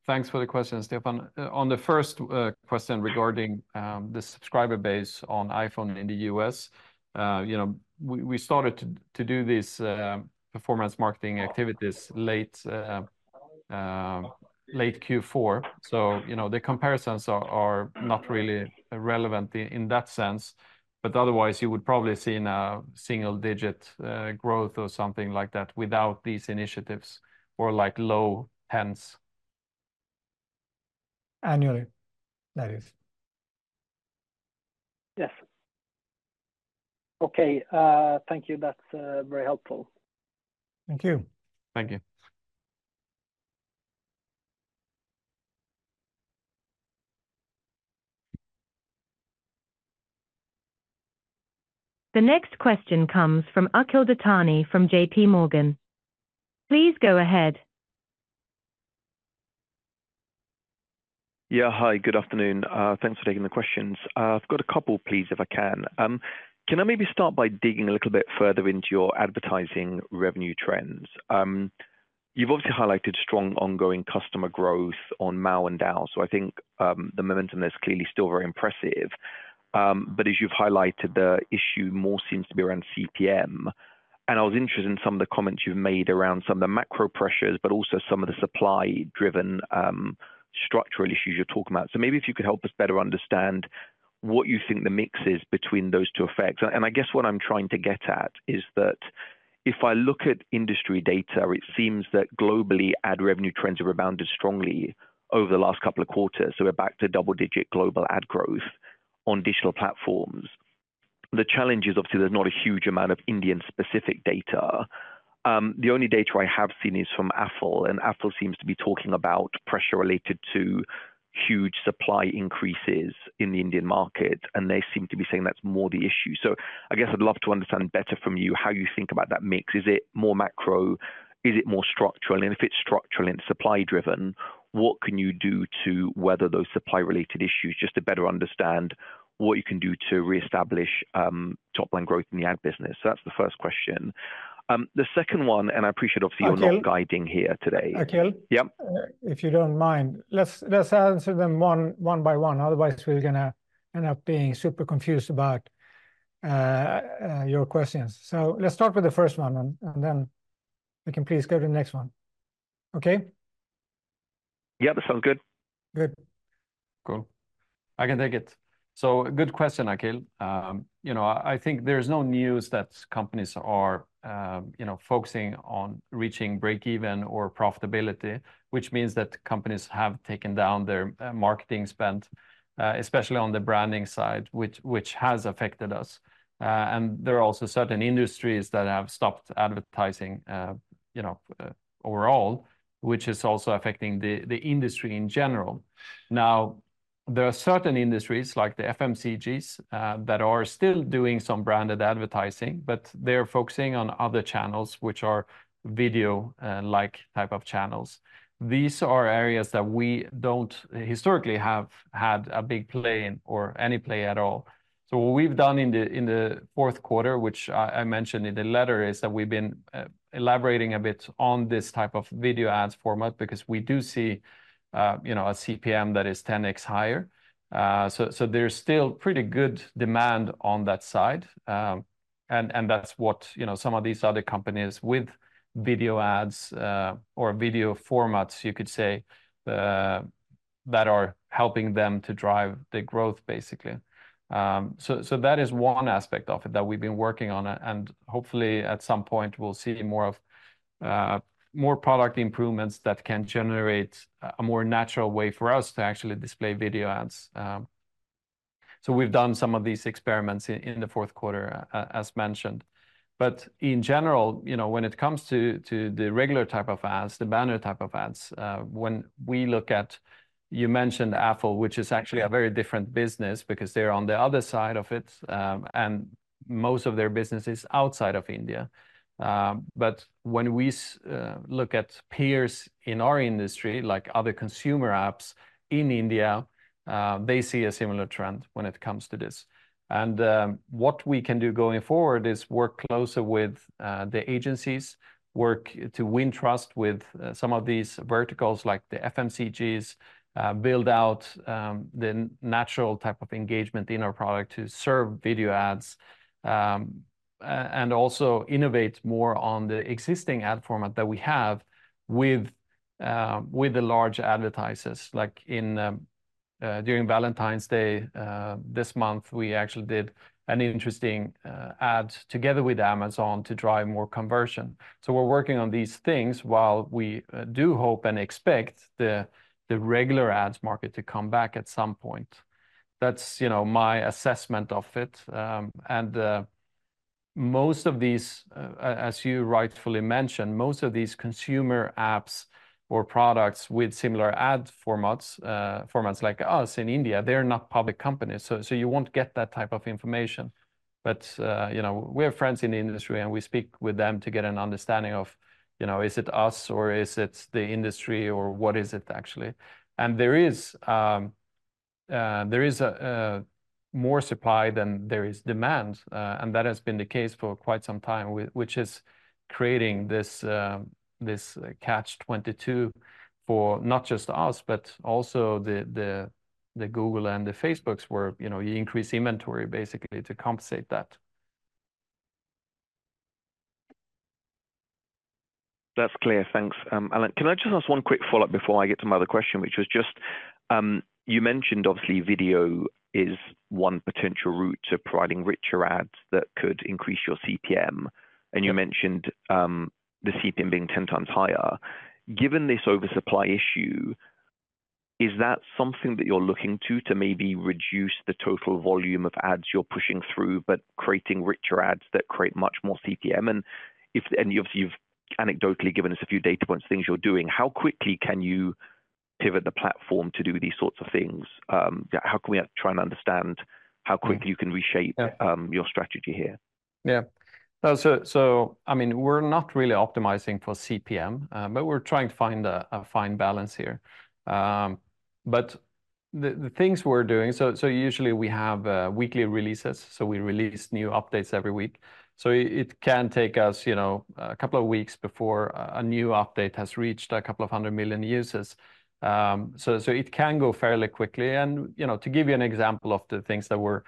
thanks for the question, Stefan. On the first question regarding the subscriber base on iPhone in the U.S., you know, we, we started to, to do these performance marketing activities late Q4. So, you know, the comparisons are, are not really relevant in that sense. But otherwise, you would probably see now single-digit growth or something like that without these initiatives, or like low tens. Annually, that is. Yes. Okay, thank you. That's very helpful. Thank you. Thank you. The next question comes from Akhil Dattani from JPMorgan. Please go ahead. Yeah, hi. Good afternoon. Thanks for taking the questions. I've got a couple, please, if I can. Can I maybe start by digging a little bit further into your advertising revenue trends? You've obviously highlighted strong ongoing customer growth on MAU and DAU, so I think the momentum is clearly still very impressive. But as you've highlighted, the issue more seems to be around CPM, and I was interested in some of the comments you've made around some of the macro pressures, but also some of the supply-driven structural issues you're talking about. So maybe if you could help us better understand what you think the mix is between those two effects. I guess what I'm trying to get at is that, if I look at industry data, it seems that globally, ad revenue trends have rebounded strongly over the last couple of quarters, so we're back to double-digit global ad growth on digital platforms. The challenge is, obviously, there's not a huge amount of Indian-specific data. The only data I have seen is from Affle, and Affle seems to be talking about pressure related to huge supply increases in the Indian market, and they seem to be saying that's more the issue. So I guess I'd love to understand better from you how you think about that mix. Is it more macro? Is it more structural? And if it's structural and supply-driven, what can you do to weather those supply-related issues, just to better understand what you can do to reestablish top-line growth in the ad business? So that's the first question. The second one, and I appreciate, obviously- Akhil... you're not guiding here today. Akhil? Yeah. If you don't mind, let's answer them one by one, otherwise, we're gonna end up being super confused about your questions. So let's start with the first one, and then we can please go to the next one. Okay? Yeah, that sounds good. Good. Cool. I can take it. So good question, Akhil. You know, I think there's no news that companies are, you know, focusing on reaching break even or profitability, which means that companies have taken down their, marketing spend, especially on the branding side, which, which has affected us. And there are also certain industries that have stopped advertising, you know, overall, which is also affecting the, the industry in general. Now, there are certain industries, like the FMCGs, that are still doing some branded advertising, but they're focusing on other channels, which are video, like type of channels. These are areas that we don't historically have had a big play in or any play at all. So what we've done in the fourth quarter, which I mentioned in the letter, is that we've been elaborating a bit on this type of video ads format because we do see, you know, a CPM that is 10x higher. So there's still pretty good demand on that side. And that's what, you know, some of these other companies with video ads or video formats, you could say, that are helping them to drive the growth, basically. So that is one aspect of it that we've been working on, and hopefully, at some point, we'll see more of more product improvements that can generate a more natural way for us to actually display video ads. So we've done some of these experiments in the fourth quarter, as mentioned. But in general, you know, when it comes to the regular type of ads, the banner type of ads, when we look at... You mentioned Affle, which is actually a very different business because they're on the other side of it, and most of their business is outside of India. But when we look at peers in our industry, like other consumer apps in India, they see a similar trend when it comes to this. And what we can do going forward is work closer with the agencies, work to win trust with some of these verticals, like the FMCGs, build out the natural type of engagement in our product to serve video ads, and also innovate more on the existing ad format that we have with the large advertisers. Like, during Valentine's Day, this month, we actually did an interesting ad together with Amazon to drive more conversion. So we're working on these things while we do hope and expect the regular ads market to come back at some point. That's, you know, my assessment of it. And, as you rightfully mentioned, most of these consumer apps or products with similar ad formats like us in India, they're not public companies, so you won't get that type of information. But, you know, we have friends in the industry, and we speak with them to get an understanding of, you know, is it us, or is it the industry, or what is it actually? There is more supply than there is demand, and that has been the case for quite some time, which is creating this Catch-22 for not just us, but also the Google and the Facebooks, where, you know, you increase inventory basically to compensate that.... That's clear. Thanks, Alan. Can I just ask one quick follow-up before I get to my other question, which was just, you mentioned obviously video is one potential route to providing richer ads that could increase your CPM, and you mentioned, the CPM being 10 times higher. Given this oversupply issue, is that something that you're looking to, maybe reduce the total volume of ads you're pushing through, but creating richer ads that create much more CPM? And obviously, you've anecdotally given us a few data points, things you're doing, how quickly can you pivot the platform to do these sorts of things? How can we try and understand how quickly you can reshape, your strategy here? Yeah. So, I mean, we're not really optimizing for CPM, but we're trying to find a fine balance here. But the things we're doing—so usually we have weekly releases, so we release new updates every week. So it can take us, you know, a couple of weeks before a new update has reached a couple of hundred million users. So it can go fairly quickly. And, you know, to give you an example of the things that we're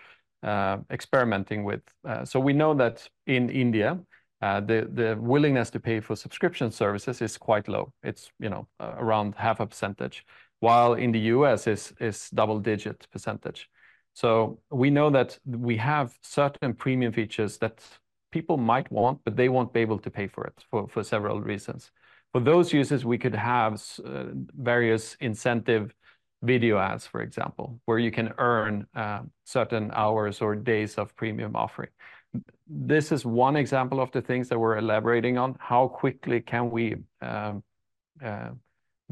experimenting with. So we know that in India, the willingness to pay for subscription services is quite low. It's, you know, around 0.5%, while in the U.S., it's double-digit percentage. So we know that we have certain premium features that people might want, but they won't be able to pay for it for several reasons. For those users, we could have various incentive video ads, for example, where you can earn certain hours or days of premium offering. This is one example of the things that we're elaborating on. How quickly can we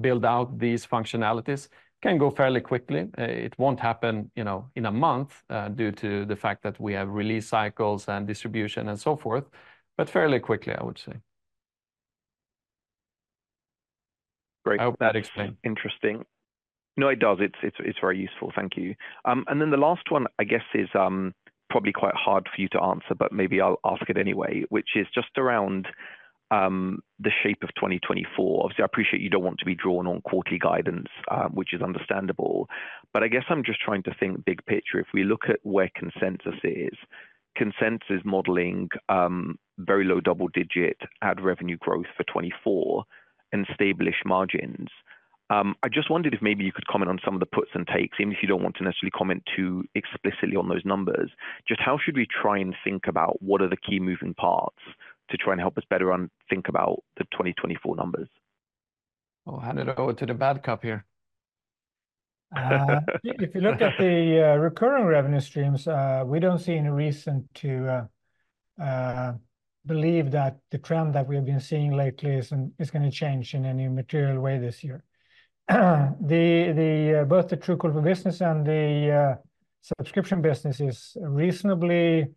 build out these functionalities? Can go fairly quickly. It won't happen, you know, in a month, due to the fact that we have release cycles and distribution and so forth, but fairly quickly, I would say. Great. I hope that explained. Interesting. No, it does. It's very useful. Thank you. And then the last one, I guess, is probably quite hard for you to answer, but maybe I'll ask it anyway, which is just around the shape of 2024. Obviously, I appreciate you don't want to be drawn on quarterly guidance, which is understandable, but I guess I'm just trying to think big picture. If we look at where consensus is, consensus modeling, very low double-digit ad revenue growth for 2024 and established margins. I just wondered if maybe you could comment on some of the puts and takes, even if you don't want to necessarily comment too explicitly on those numbers. Just how should we try and think about what are the key moving parts to try and help us better on think about the 2024 numbers? I'll hand it over to the bad cop here. If you look at the recurring revenue streams, we don't see any reason to believe that the trend that we've been seeing lately is gonna change in any material way this year. Both the Truecaller business and the subscription business is reasonably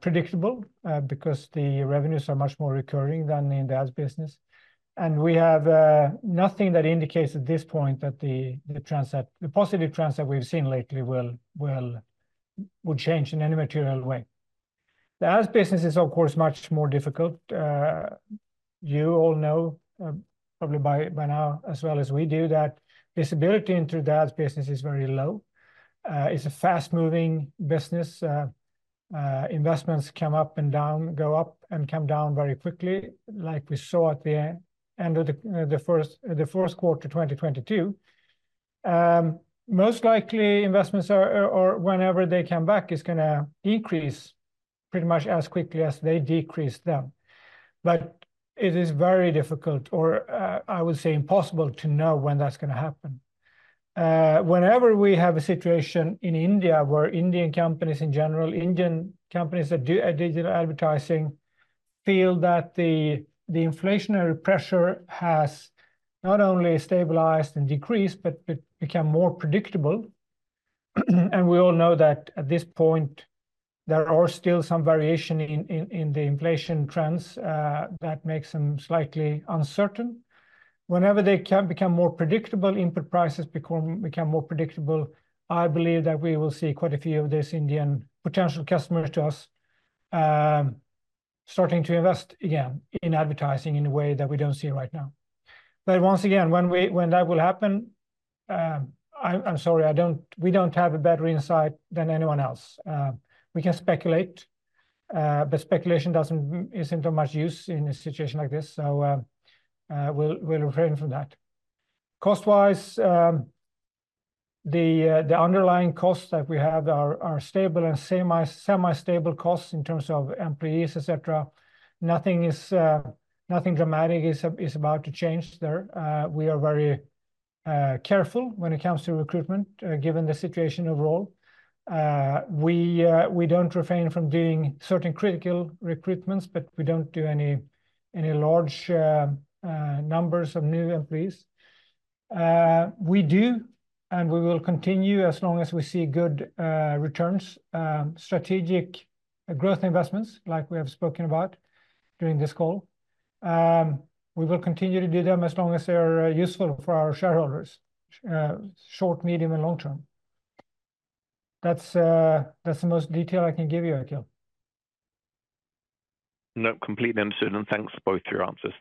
predictable because the revenues are much more recurring than in the ads business. And we have nothing that indicates at this point that the positive trends that we've seen lately would change in any material way. The ads business is, of course, much more difficult. You all know probably by now, as well as we do, that visibility into the ads business is very low. It's a fast-moving business. Investments come up and down, go up and come down very quickly, like we saw at the end of the first quarter of 2022. Most likely investments are whenever they come back, is gonna increase pretty much as quickly as they decrease them. But it is very difficult, or, I would say impossible, to know when that's gonna happen. Whenever we have a situation in India, where Indian companies in general, Indian companies that do digital advertising, feel that the inflationary pressure has not only stabilized and decreased, but become more predictable. And we all know that at this point, there are still some variation in the inflation trends that makes them slightly uncertain. Whenever they can become more predictable, input prices become more predictable. I believe that we will see quite a few of these Indian potential customers to us, starting to invest again in advertising in a way that we don't see right now. But once again, when we-- when that will happen, I'm sorry, I don't-- we don't have a better insight than anyone else. We can speculate, but speculation doesn't... isn't of much use in a situation like this, so, we'll refrain from that. Cost-wise, the underlying costs that we have are stable and semi-stable costs in terms of employees, et cetera. Nothing dramatic is about to change there. We are very careful when it comes to recruitment, given the situation overall. We don't refrain from doing certain critical recruitments, but we don't do any large numbers of new employees. We do, and we will continue as long as we see good returns, strategic growth investments, like we have spoken about during this call. We will continue to do them as long as they are useful for our shareholders, short, medium, and long term. That's the most detail I can give you, Akhil. No, completely understood, and thanks both for your answers.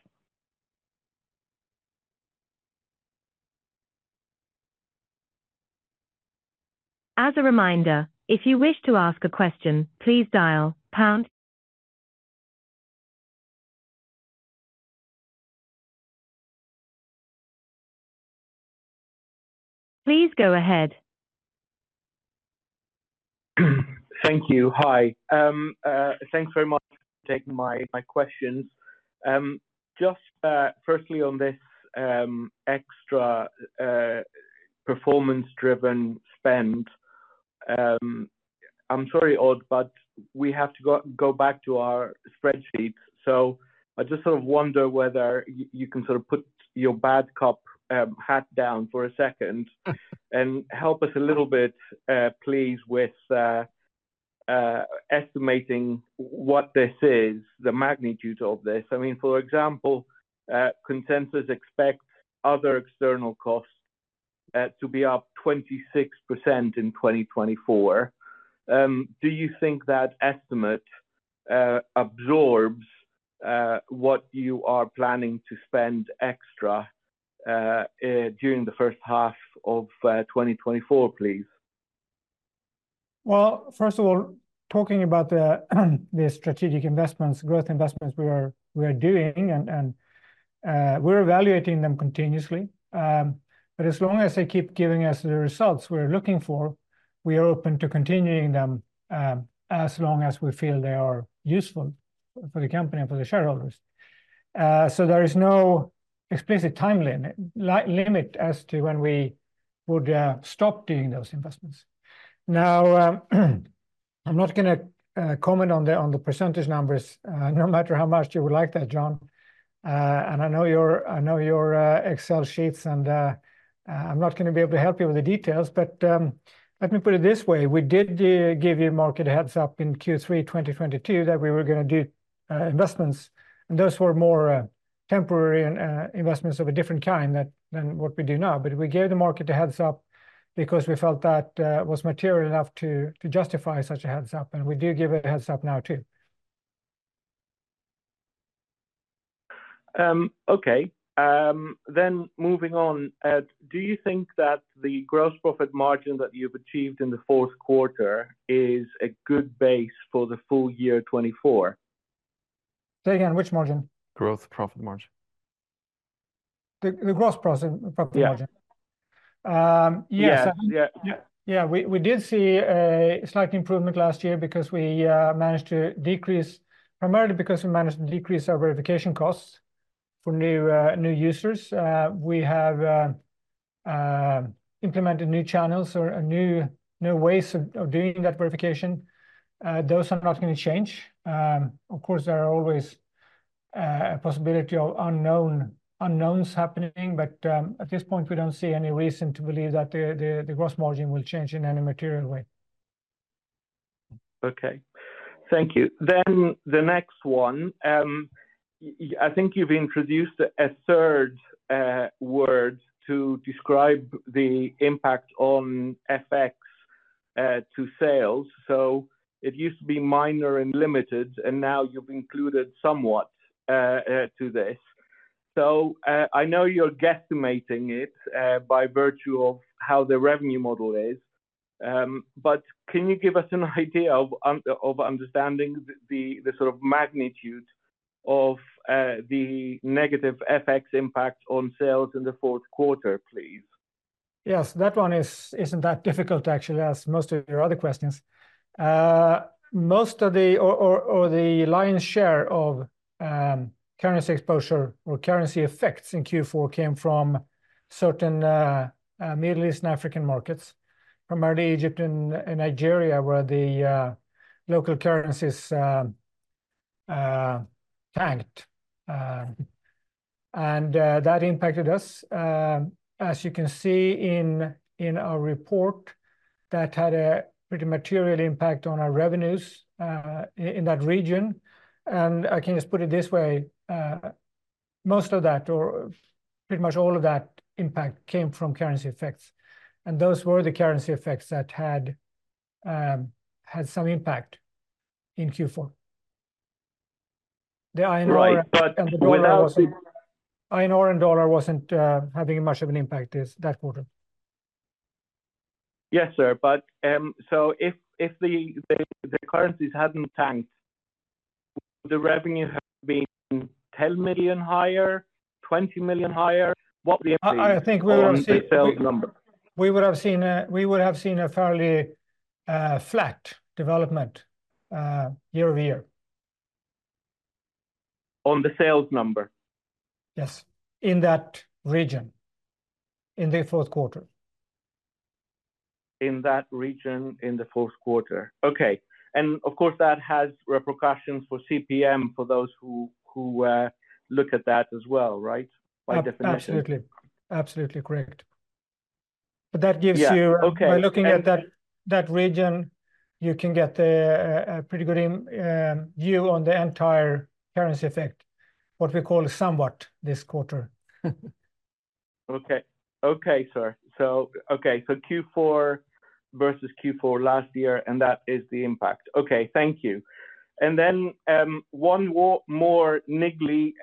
...As a reminder, if you wish to ask a question, please dial pound. Please go ahead. Thank you. Hi. Thanks very much for taking my questions. Just firstly, on this extra performance-driven spend, I'm sorry, Odd, but we have to go back to our spreadsheets. So I just sort of wonder whether you can sort of put your bad cop hat down for a second and help us a little bit, please, with estimating what this is, the magnitude of this. I mean, for example, consensus expects other external costs to be up 26% in 2024. Do you think that estimate absorbs what you are planning to spend extra during the first half of 2024, please? Well, first of all, talking about the strategic investments, growth investments we are doing, and we're evaluating them continuously. But as long as they keep giving us the results we're looking for, we are open to continuing them, as long as we feel they are useful for the company and for the shareholders. So there is no explicit time limit as to when we would stop doing those investments. Now, I'm not gonna comment on the percentage numbers, no matter how much you would like that, John. I know your Excel sheets, and I'm not gonna be able to help you with the details, but let me put it this way: We did give the market a heads up in Q3 2022, that we were gonna do investments, and those were more temporary and investments of a different kind than what we do now. But we gave the market a heads up because we felt that was material enough to justify such a heads up, and we do give a heads up now, too. Okay. Moving on, do you think that the gross profit margin that you've achieved in the fourth quarter is a good base for the full year 2024? Say again, which margin? Gross profit margin. The gross profit, profit margin? Yeah. Um, yes. Yeah. Yeah. Yeah, we did see a slight improvement last year because we managed to decrease. Primarily because we managed to decrease our verification costs for new users. We have implemented new channels or new ways of doing that verification. Those are not gonna change. Of course, there are always a possibility of unknown unknowns happening, but at this point, we don't see any reason to believe that the gross margin will change in any material way. Okay. Thank you. Then the next one, I think you've introduced a third word to describe the impact on FX to sales. So it used to be minor and limited, and now you've included somewhat to this. So, I know you're guesstimating it by virtue of how the revenue model is, but can you give us an idea of understanding the sort of magnitude of the negative FX impact on sales in the fourth quarter, please? Yes, that one isn't that difficult to actually ask, most of your other questions. Most of the lion's share of currency exposure or currency effects in Q4 came from certain Middle Eastern African markets, primarily Egypt and Nigeria, where the local currencies tanked. And that impacted us. As you can see in our report, that had a pretty material impact on our revenues in that region. And I can just put it this way, most of that, or pretty much all of that impact came from currency effects, and those were the currency effects that had some impact in Q4. The INR Right, but without the- INR and dollar wasn't having much of an impact in that quarter. Yes, sir. But, so if the currencies hadn't tanked, the revenue had been 10 million higher, 20 million higher, what we have seen- I think we would have seen- On the sales number? We would have seen a fairly flat development year-over-year. On the sales number? Yes, in that region, in the fourth quarter. In that region, in the fourth quarter. Okay. And of course, that has repercussions for CPM, for those who look at that as well, right? By definition. Absolutely. Absolutely correct. But that gives you- Yeah. Okay, thank you. By looking at that region, you can get a pretty good view on the entire currency effect, what we call somewhat this quarter. Okay. Okay, sir. So, okay, so Q4 versus Q4 last year, and that is the impact. Okay, thank you. And then, one more niggly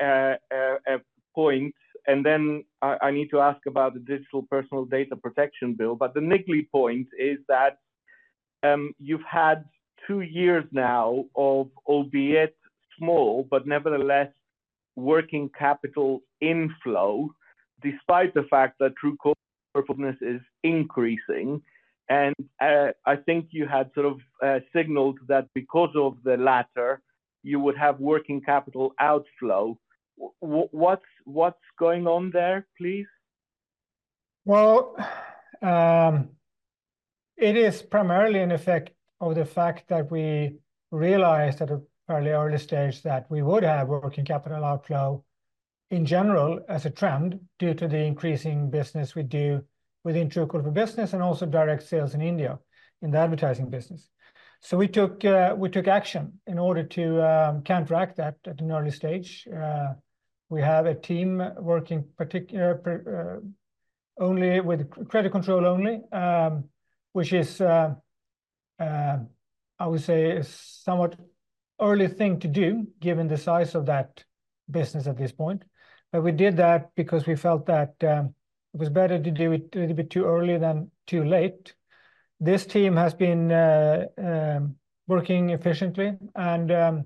point, and then I need to ask about the Digital Personal Data Protection Bill. But the niggly point is that you've had two years now of, albeit small, but nevertheless working capital inflow, despite the fact that Truecaller business is increasing. And I think you had sort of signaled that because of the latter, you would have working capital outflow. What's going on there, please? Well, it is primarily an effect of the fact that we realized at a fairly early stage that we would have working capital outflow in general as a trend, due to the increasing business we do within Truecaller business and also direct sales in India, in the advertising business. So we took, we took action in order to, counteract that at an early stage. We have a team working only with credit control only, which is, I would say a somewhat early thing to do, given the size of that business at this point. But we did that because we felt that, it was better to do it a little bit too early than too late. This team has been working efficiently, and,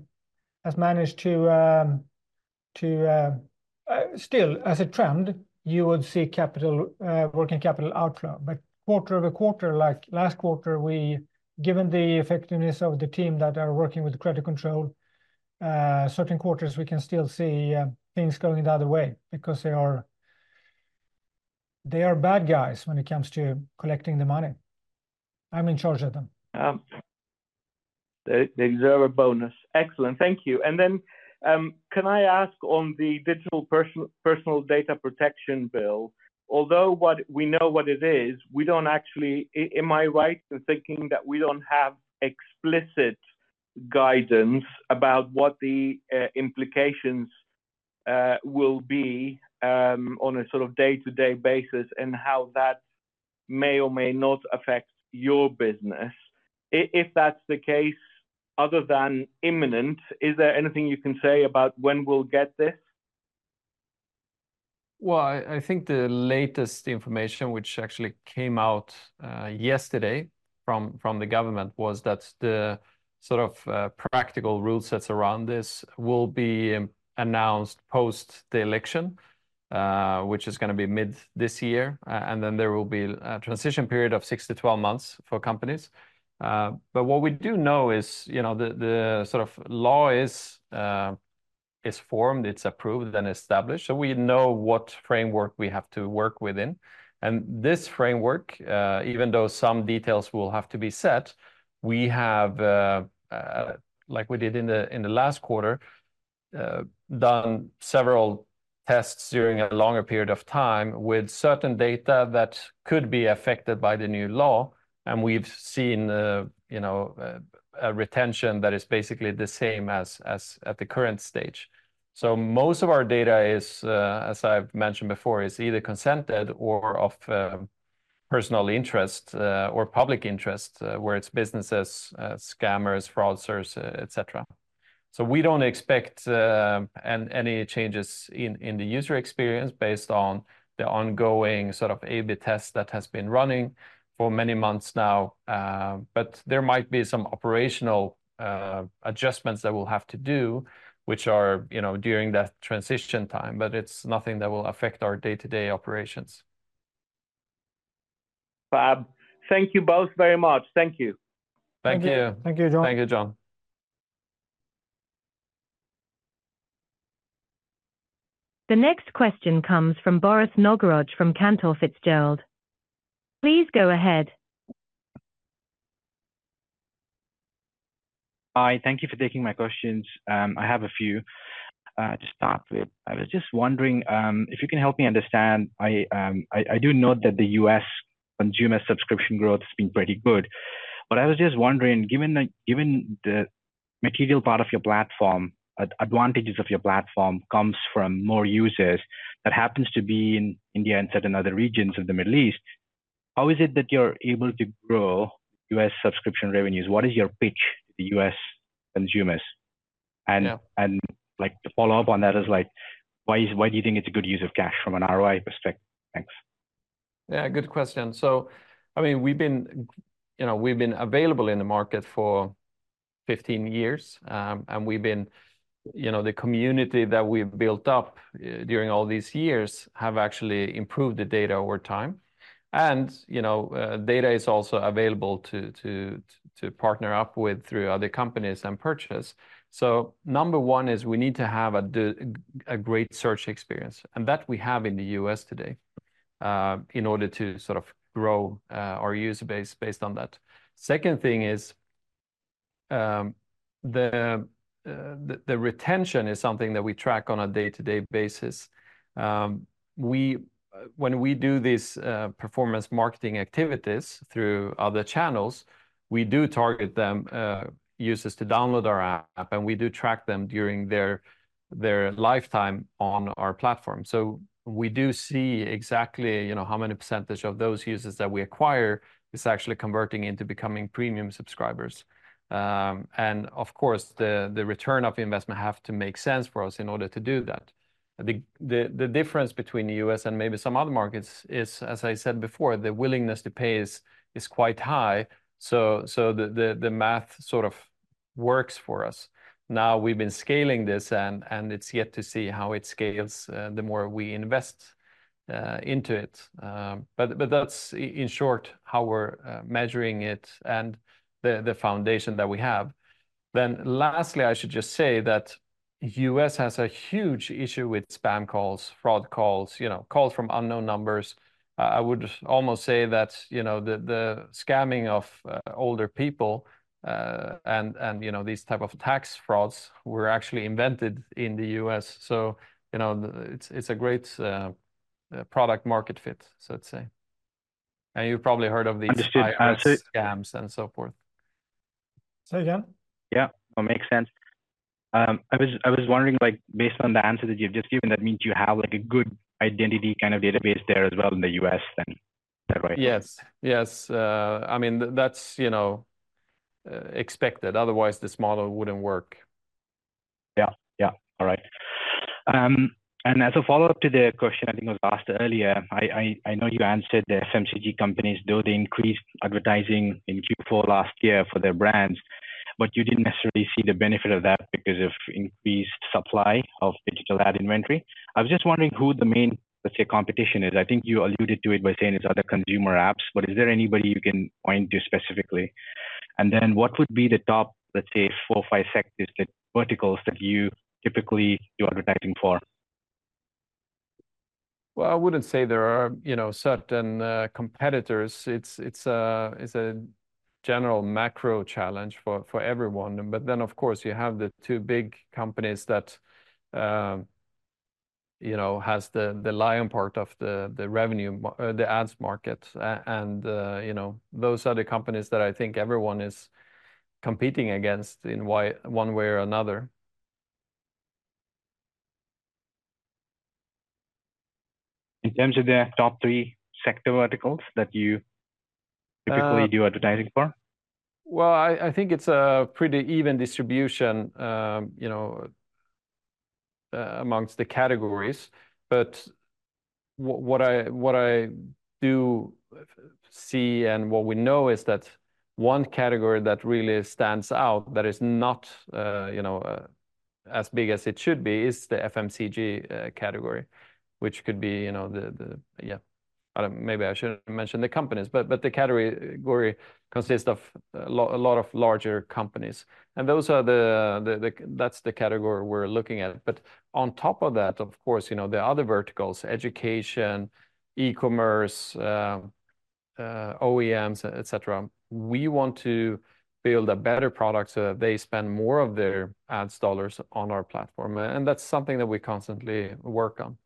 has managed to, to... Still, as a trend, you would see capital working capital outflow. But quarter-over-quarter, like last quarter, given the effectiveness of the team that are working with credit control, certain quarters we can still see things going the other way because they are, they are bad guys when it comes to collecting the money. I'm in charge of them. They deserve a bonus. Excellent. Thank you. And then, can I ask on the Digital Personal Data Protection Bill, although we know what it is, we don't actually. Am I right in thinking that we don't have explicit guidance about what the implications will be on a sort of day-to-day basis, and how that may or may not affect your business? If that's the case, other than imminent, is there anything you can say about when we'll get this? Well, I think the latest information, which actually came out yesterday from the government, was that the sort of practical rule sets around this will be announced post the election, which is gonna be mid this year. And then there will be a transition period of 6-12 months for companies. But what we do know is, you know, the sort of law is formed, it's approved and established, so we know what framework we have to work within. This framework, even though some details will have to be set, we have, like we did in the last quarter, done several tests during a longer period of time with certain data that could be affected by the new law, and we've seen, you know, a retention that is basically the same as at the current stage. So most of our data is, as I've mentioned before, either consented or of personal interest or public interest, where it's businesses, scammers, fraudsters, et cetera. So we don't expect any changes in the user experience based on the ongoing sort of A/B test that has been running for many months now. But there might be some operational adjustments that we'll have to do, which are, you know, during that transition time, but it's nothing that will affect our day-to-day operations. Fab, thank you both very much. Thank you. Thank you. Thank you, John. Thank you, John. The next question comes from Brett Knoblauch from Cantor Fitzgerald. Please go ahead. Hi, thank you for taking my questions. I have a few. To start with, I was just wondering if you can help me understand. I do note that the US consumer subscription growth has been pretty good. But I was just wondering, given the material part of your platform, advantages of your platform comes from more users that happens to be in India and certain other regions in the Middle East, how is it that you're able to grow US subscription revenues? What is your pitch to the US consumers? Yeah. Like, to follow up on that, like, why do you think it's a good use of cash from an ROI perspective? Thanks. Yeah, good question. So I mean, we've been, you know, we've been available in the market for 15 years, and we've been... You know, the community that we've built up during all these years have actually improved the data over time. And, you know, data is also available to partner up with through other companies and purchase. So number one is, we need to have a great search experience, and that we have in the U.S. today, in order to sort of grow our user base based on that. Second thing is, the retention is something that we track on a day-to-day basis. We, when we do these performance marketing activities through other channels, we do target them users to download our app, and we do track them during their lifetime on our platform. So we do see exactly, you know, how many percentage of those users that we acquire is actually converting into becoming premium subscribers. And of course, the return on investment have to make sense for us in order to do that. The difference between the U.S. and maybe some other markets is, as I said before, the willingness to pay is quite high. So the math sort of works for us. Now, we've been scaling this, and it's yet to see how it scales, the more we invest into it. But that's in short how we're measuring it and the foundation that we have. Then lastly, I should just say that the U.S. has a huge issue with spam calls, fraud calls, you know, calls from unknown numbers. I would almost say that, you know, the scamming of older people, and, you know, these type of tax frauds were actually invented in the U.S., so, you know, it's a great product market fit, so let's say. And you've probably heard of these- Understood. - scams and so forth. So, yeah. Yeah. Well, makes sense. I was wondering, like, based on the answer that you've just given, that means you have, like, a good identity kind of database there as well in the U.S., then. Is that right? Yes. Yes. I mean, that's, you know, expected, otherwise, this model wouldn't work. Yeah, yeah. All right. As a follow-up to the question I think was asked earlier, I know you answered the FMCG companies, though they increased advertising in Q4 last year for their brands, but you didn't necessarily see the benefit of that because of increased supply of digital ad inventory. I was just wondering who the main, let's say, competition is. I think you alluded to it by saying it's other consumer apps, but is there anybody you can point to specifically? And then, what would be the top, let's say, four or five sectors, like, verticals that you typically do advertising for? Well, I wouldn't say there are, you know, certain competitors. It's a general macro challenge for everyone. But then, of course, you have the two big companies that, you know, has the lion's share of the ads market. And, you know, those are the companies that I think everyone is competing against in one way or another. In terms of the top three sector verticals that you- Uh... typically do advertising for? Well, I think it's a pretty even distribution, you know, amongst the categories. But what I do see, and what we know is that one category that really stands out that is not, you know, as big as it should be, is the FMCG category, which could be, you know, the, the. Maybe I shouldn't mention the companies, but the category consists of a lot of larger companies, and those are the, that's the category we're looking at. But on top of that, of course, you know, there are other verticals: education, e-commerce, OEMs, et cetera. We want to build a better product so that they spend more of their ads dollars on our platform, and that's something that we constantly work on.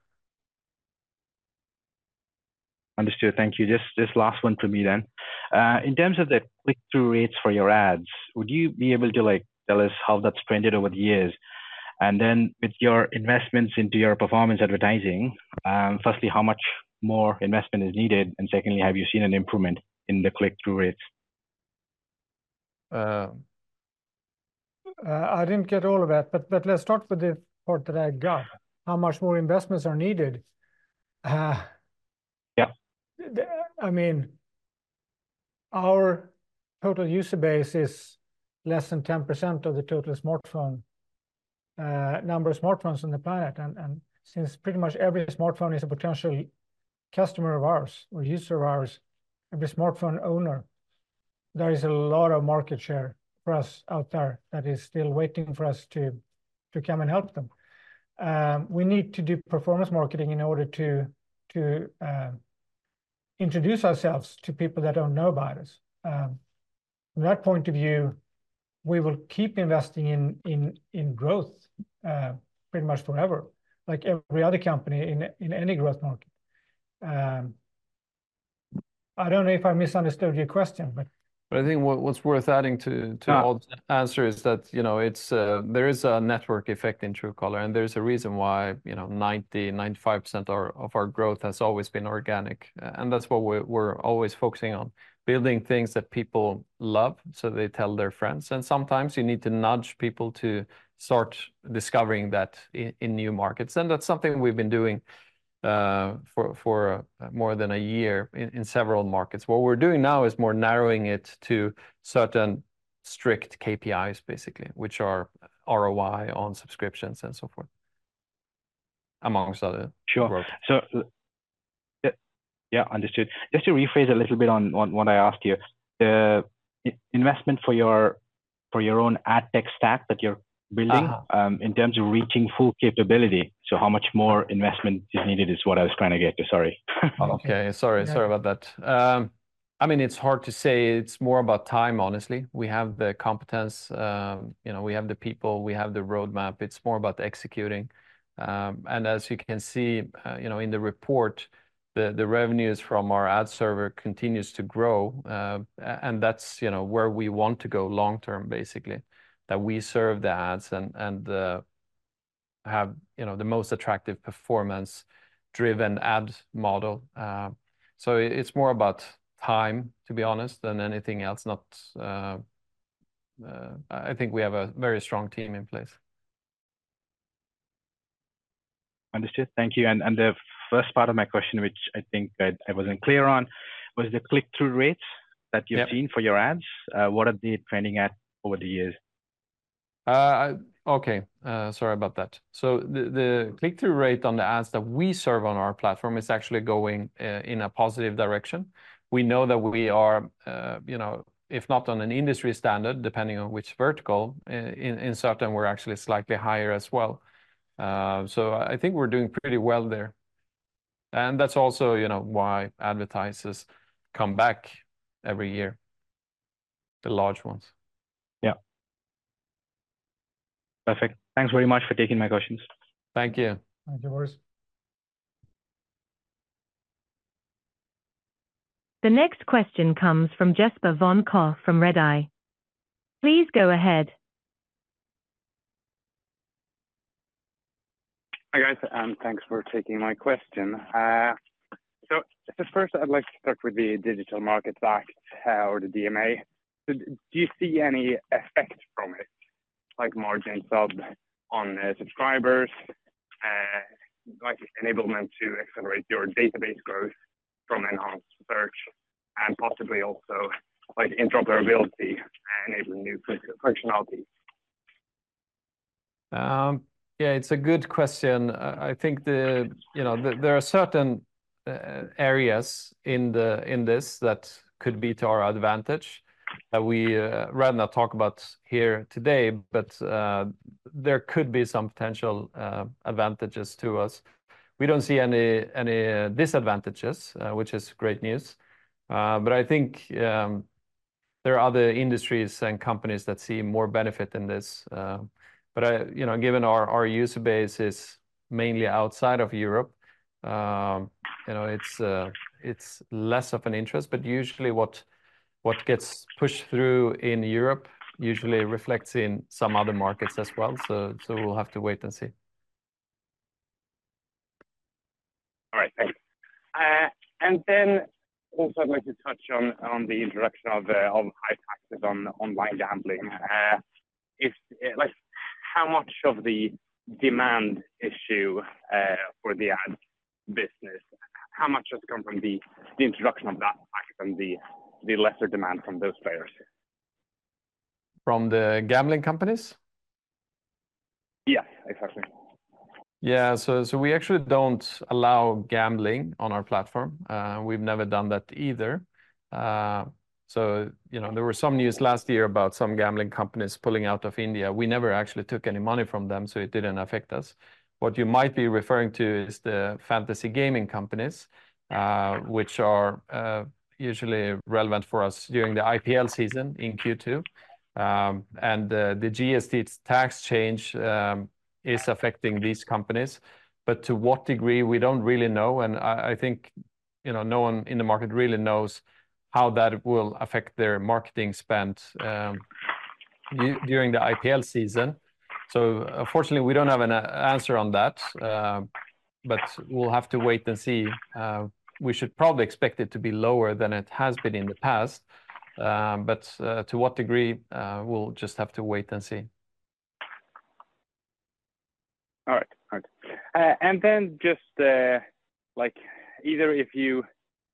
Understood. Thank you. Just this last one from me then. In terms of the click-through rates for your ads, would you be able to, like, tell us how that's trended over the years? And then with your investments into your performance advertising, firstly, how much more investment is needed? And secondly, have you seen an improvement in the click-through rates? Um... I didn't get all of that, but, but let's start with the part that I got. How much more investments are needed? Yeah. I mean, our total user base is less than 10% of the total smartphone number of smartphones on the planet. And since pretty much every smartphone is a potential customer of ours or user of ours, every smartphone owner, there is a lot of market share for us out there that is still waiting for us to come and help them. We need to do performance marketing in order to introduce ourselves to people that don't know about us. From that point of view, we will keep investing in growth pretty much forever, like every other company in any growth market. I don't know if I misunderstood your question, but- But I think what's worth adding to. Yeah... Odd's answer is that, you know, it's there is a network effect in Truecaller, and there's a reason why, you know, 95% of our growth has always been organic. And that's what we're always focusing on, building things that people love, so they tell their friends. And sometimes you need to nudge people to start discovering in new markets, and that's something we've been doing for more than a year in several markets. What we're doing now is more narrowing it to certain strict KPIs, basically, which are ROI on subscriptions, and so forth, amongst other- Sure - growth. Yeah, yeah, understood. Just to rephrase a little bit on what I asked you. The investment for your own ad tech stack that you're building- Uh-huh... in terms of reaching full capability, so how much more investment is needed, is what I was trying to get to. Sorry. Okay, sorry. Yeah. Sorry about that. I mean, it's hard to say. It's more about time, honestly. We have the competence, you know, we have the people, we have the roadmap. It's more about executing. And as you can see, you know, in the report, the revenues from our ad server continues to grow. And that's, you know, where we want to go long-term, basically, that we serve the ads and have, you know, the most attractive performance-driven ad model. So it's more about time, to be honest, than anything else. I think we have a very strong team in place. Understood. Thank you. The first part of my question, which I think I wasn't clear on, was the click-through rates that- Yep -you've seen for your ads. What are they trending at over the years? Okay, sorry about that. So the click-through rate on the ads that we serve on our platform is actually going in a positive direction. We know that we are, you know, if not on an industry standard, depending on which vertical, in certain we're actually slightly higher as well. So I think we're doing pretty well there. And that's also, you know, why advertisers come back every year, the large ones. Yeah. Perfect. Thanks very much for taking my questions. Thank you. Thank you, Brett Knoblauch. The next question comes from Jesper von Koch from Redeye. Please go ahead. Hi, guys, thanks for taking my question. So first I'd like to start with the Digital Markets Act, or the DMA. Do you see any effect from it, like margin sub on subscribers, like enablement to accelerate your database growth from enhanced search, and possibly also, like, interoperability enabling new functionalities? Yeah, it's a good question. I think... You know, there, there are certain areas in this that could be to our advantage, that we rather not talk about here today, but there could be some potential advantages to us. We don't see any, any disadvantages, which is great news. But I think there are other industries and companies that see more benefit in this. But I, you know, given our, our user base is mainly outside of Europe, you know, it's, it's less of an interest, but usually what, what gets pushed through in Europe usually reflects in some other markets as well. So, so we'll have to wait and see. All right, thanks. And then also I'd like to touch on the introduction of high taxes on online gambling. Like, how much of the demand issue for the ad business, how much has come from the introduction of that tax and the lesser demand from those players? From the gambling companies? Yeah, exactly. Yeah. So, so we actually don't allow gambling on our platform. We've never done that either. So, you know, there was some news last year about some gambling companies pulling out of India. We never actually took any money from them, so it didn't affect us. What you might be referring to is the fantasy gaming companies, which are usually relevant for us during the IPL season in Q2. And, the GST tax change is affecting these companies, but to what degree, we don't really know, and I think, you know, no one in the market really knows how that will affect their marketing spend during the IPL season. So unfortunately, we don't have an answer on that, but we'll have to wait and see. We should probably expect it to be lower than it has been in the past, but to what degree, we'll just have to wait and see. All right. All right. And then just, like either if you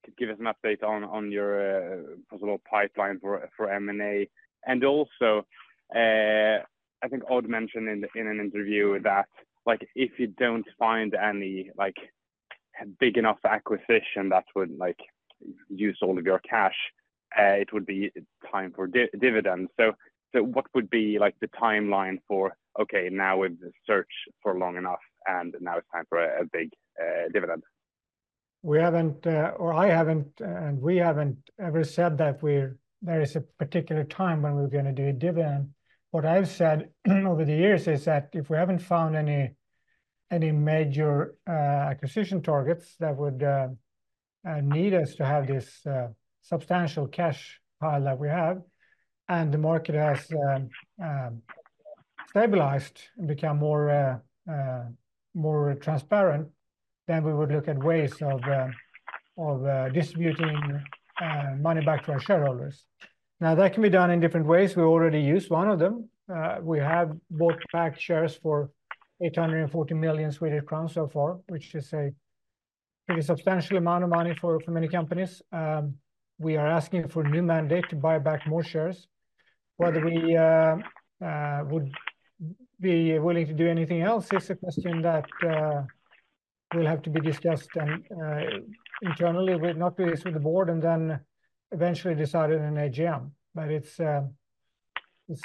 could give us an update on your possible pipeline for M&A, and also, I think Odd mentioned in an interview that, like, if you don't find any, like, big enough acquisition that would, like, use all of your cash, it would be time for dividends. So what would be, like, the timeline for, "Okay, now we've searched for long enough, and now it's time for a big dividend? We haven't, or I haven't, and we haven't ever said that we're—there is a particular time when we're gonna do a dividend. What I've said over the years is that if we haven't found any major acquisition targets that would need us to have this substantial cash pile that we have, and the market has stabilized and become more, more transparent, then we would look at ways of, of, distributing money back to our shareholders. Now, that can be done in different ways. We already used one of them. We have bought back shares for 840 million Swedish crowns so far, which is a substantial amount of money for many companies. We are asking for a new mandate to buy back more shares. Whether we would be willing to do anything else is a question that will have to be discussed and internally will not be raised with the board, and then eventually decided in AGM. But it's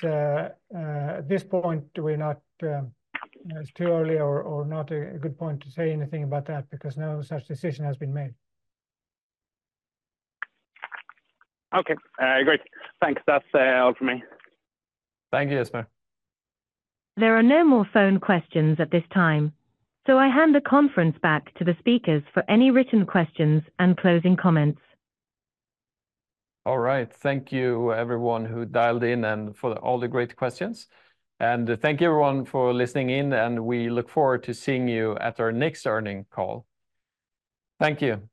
at this point, we're not, it's too early or not a good point to say anything about that because no such decision has been made. Okay, great. Thanks. That's all from me. Thank you, Jesper. There are no more phone questions at this time, so I hand the conference back to the speakers for any written questions and closing comments. All right. Thank you everyone who dialed in, and for all the great questions. Thank you everyone for listening in, and we look forward to seeing you at our next earnings call. Thank you.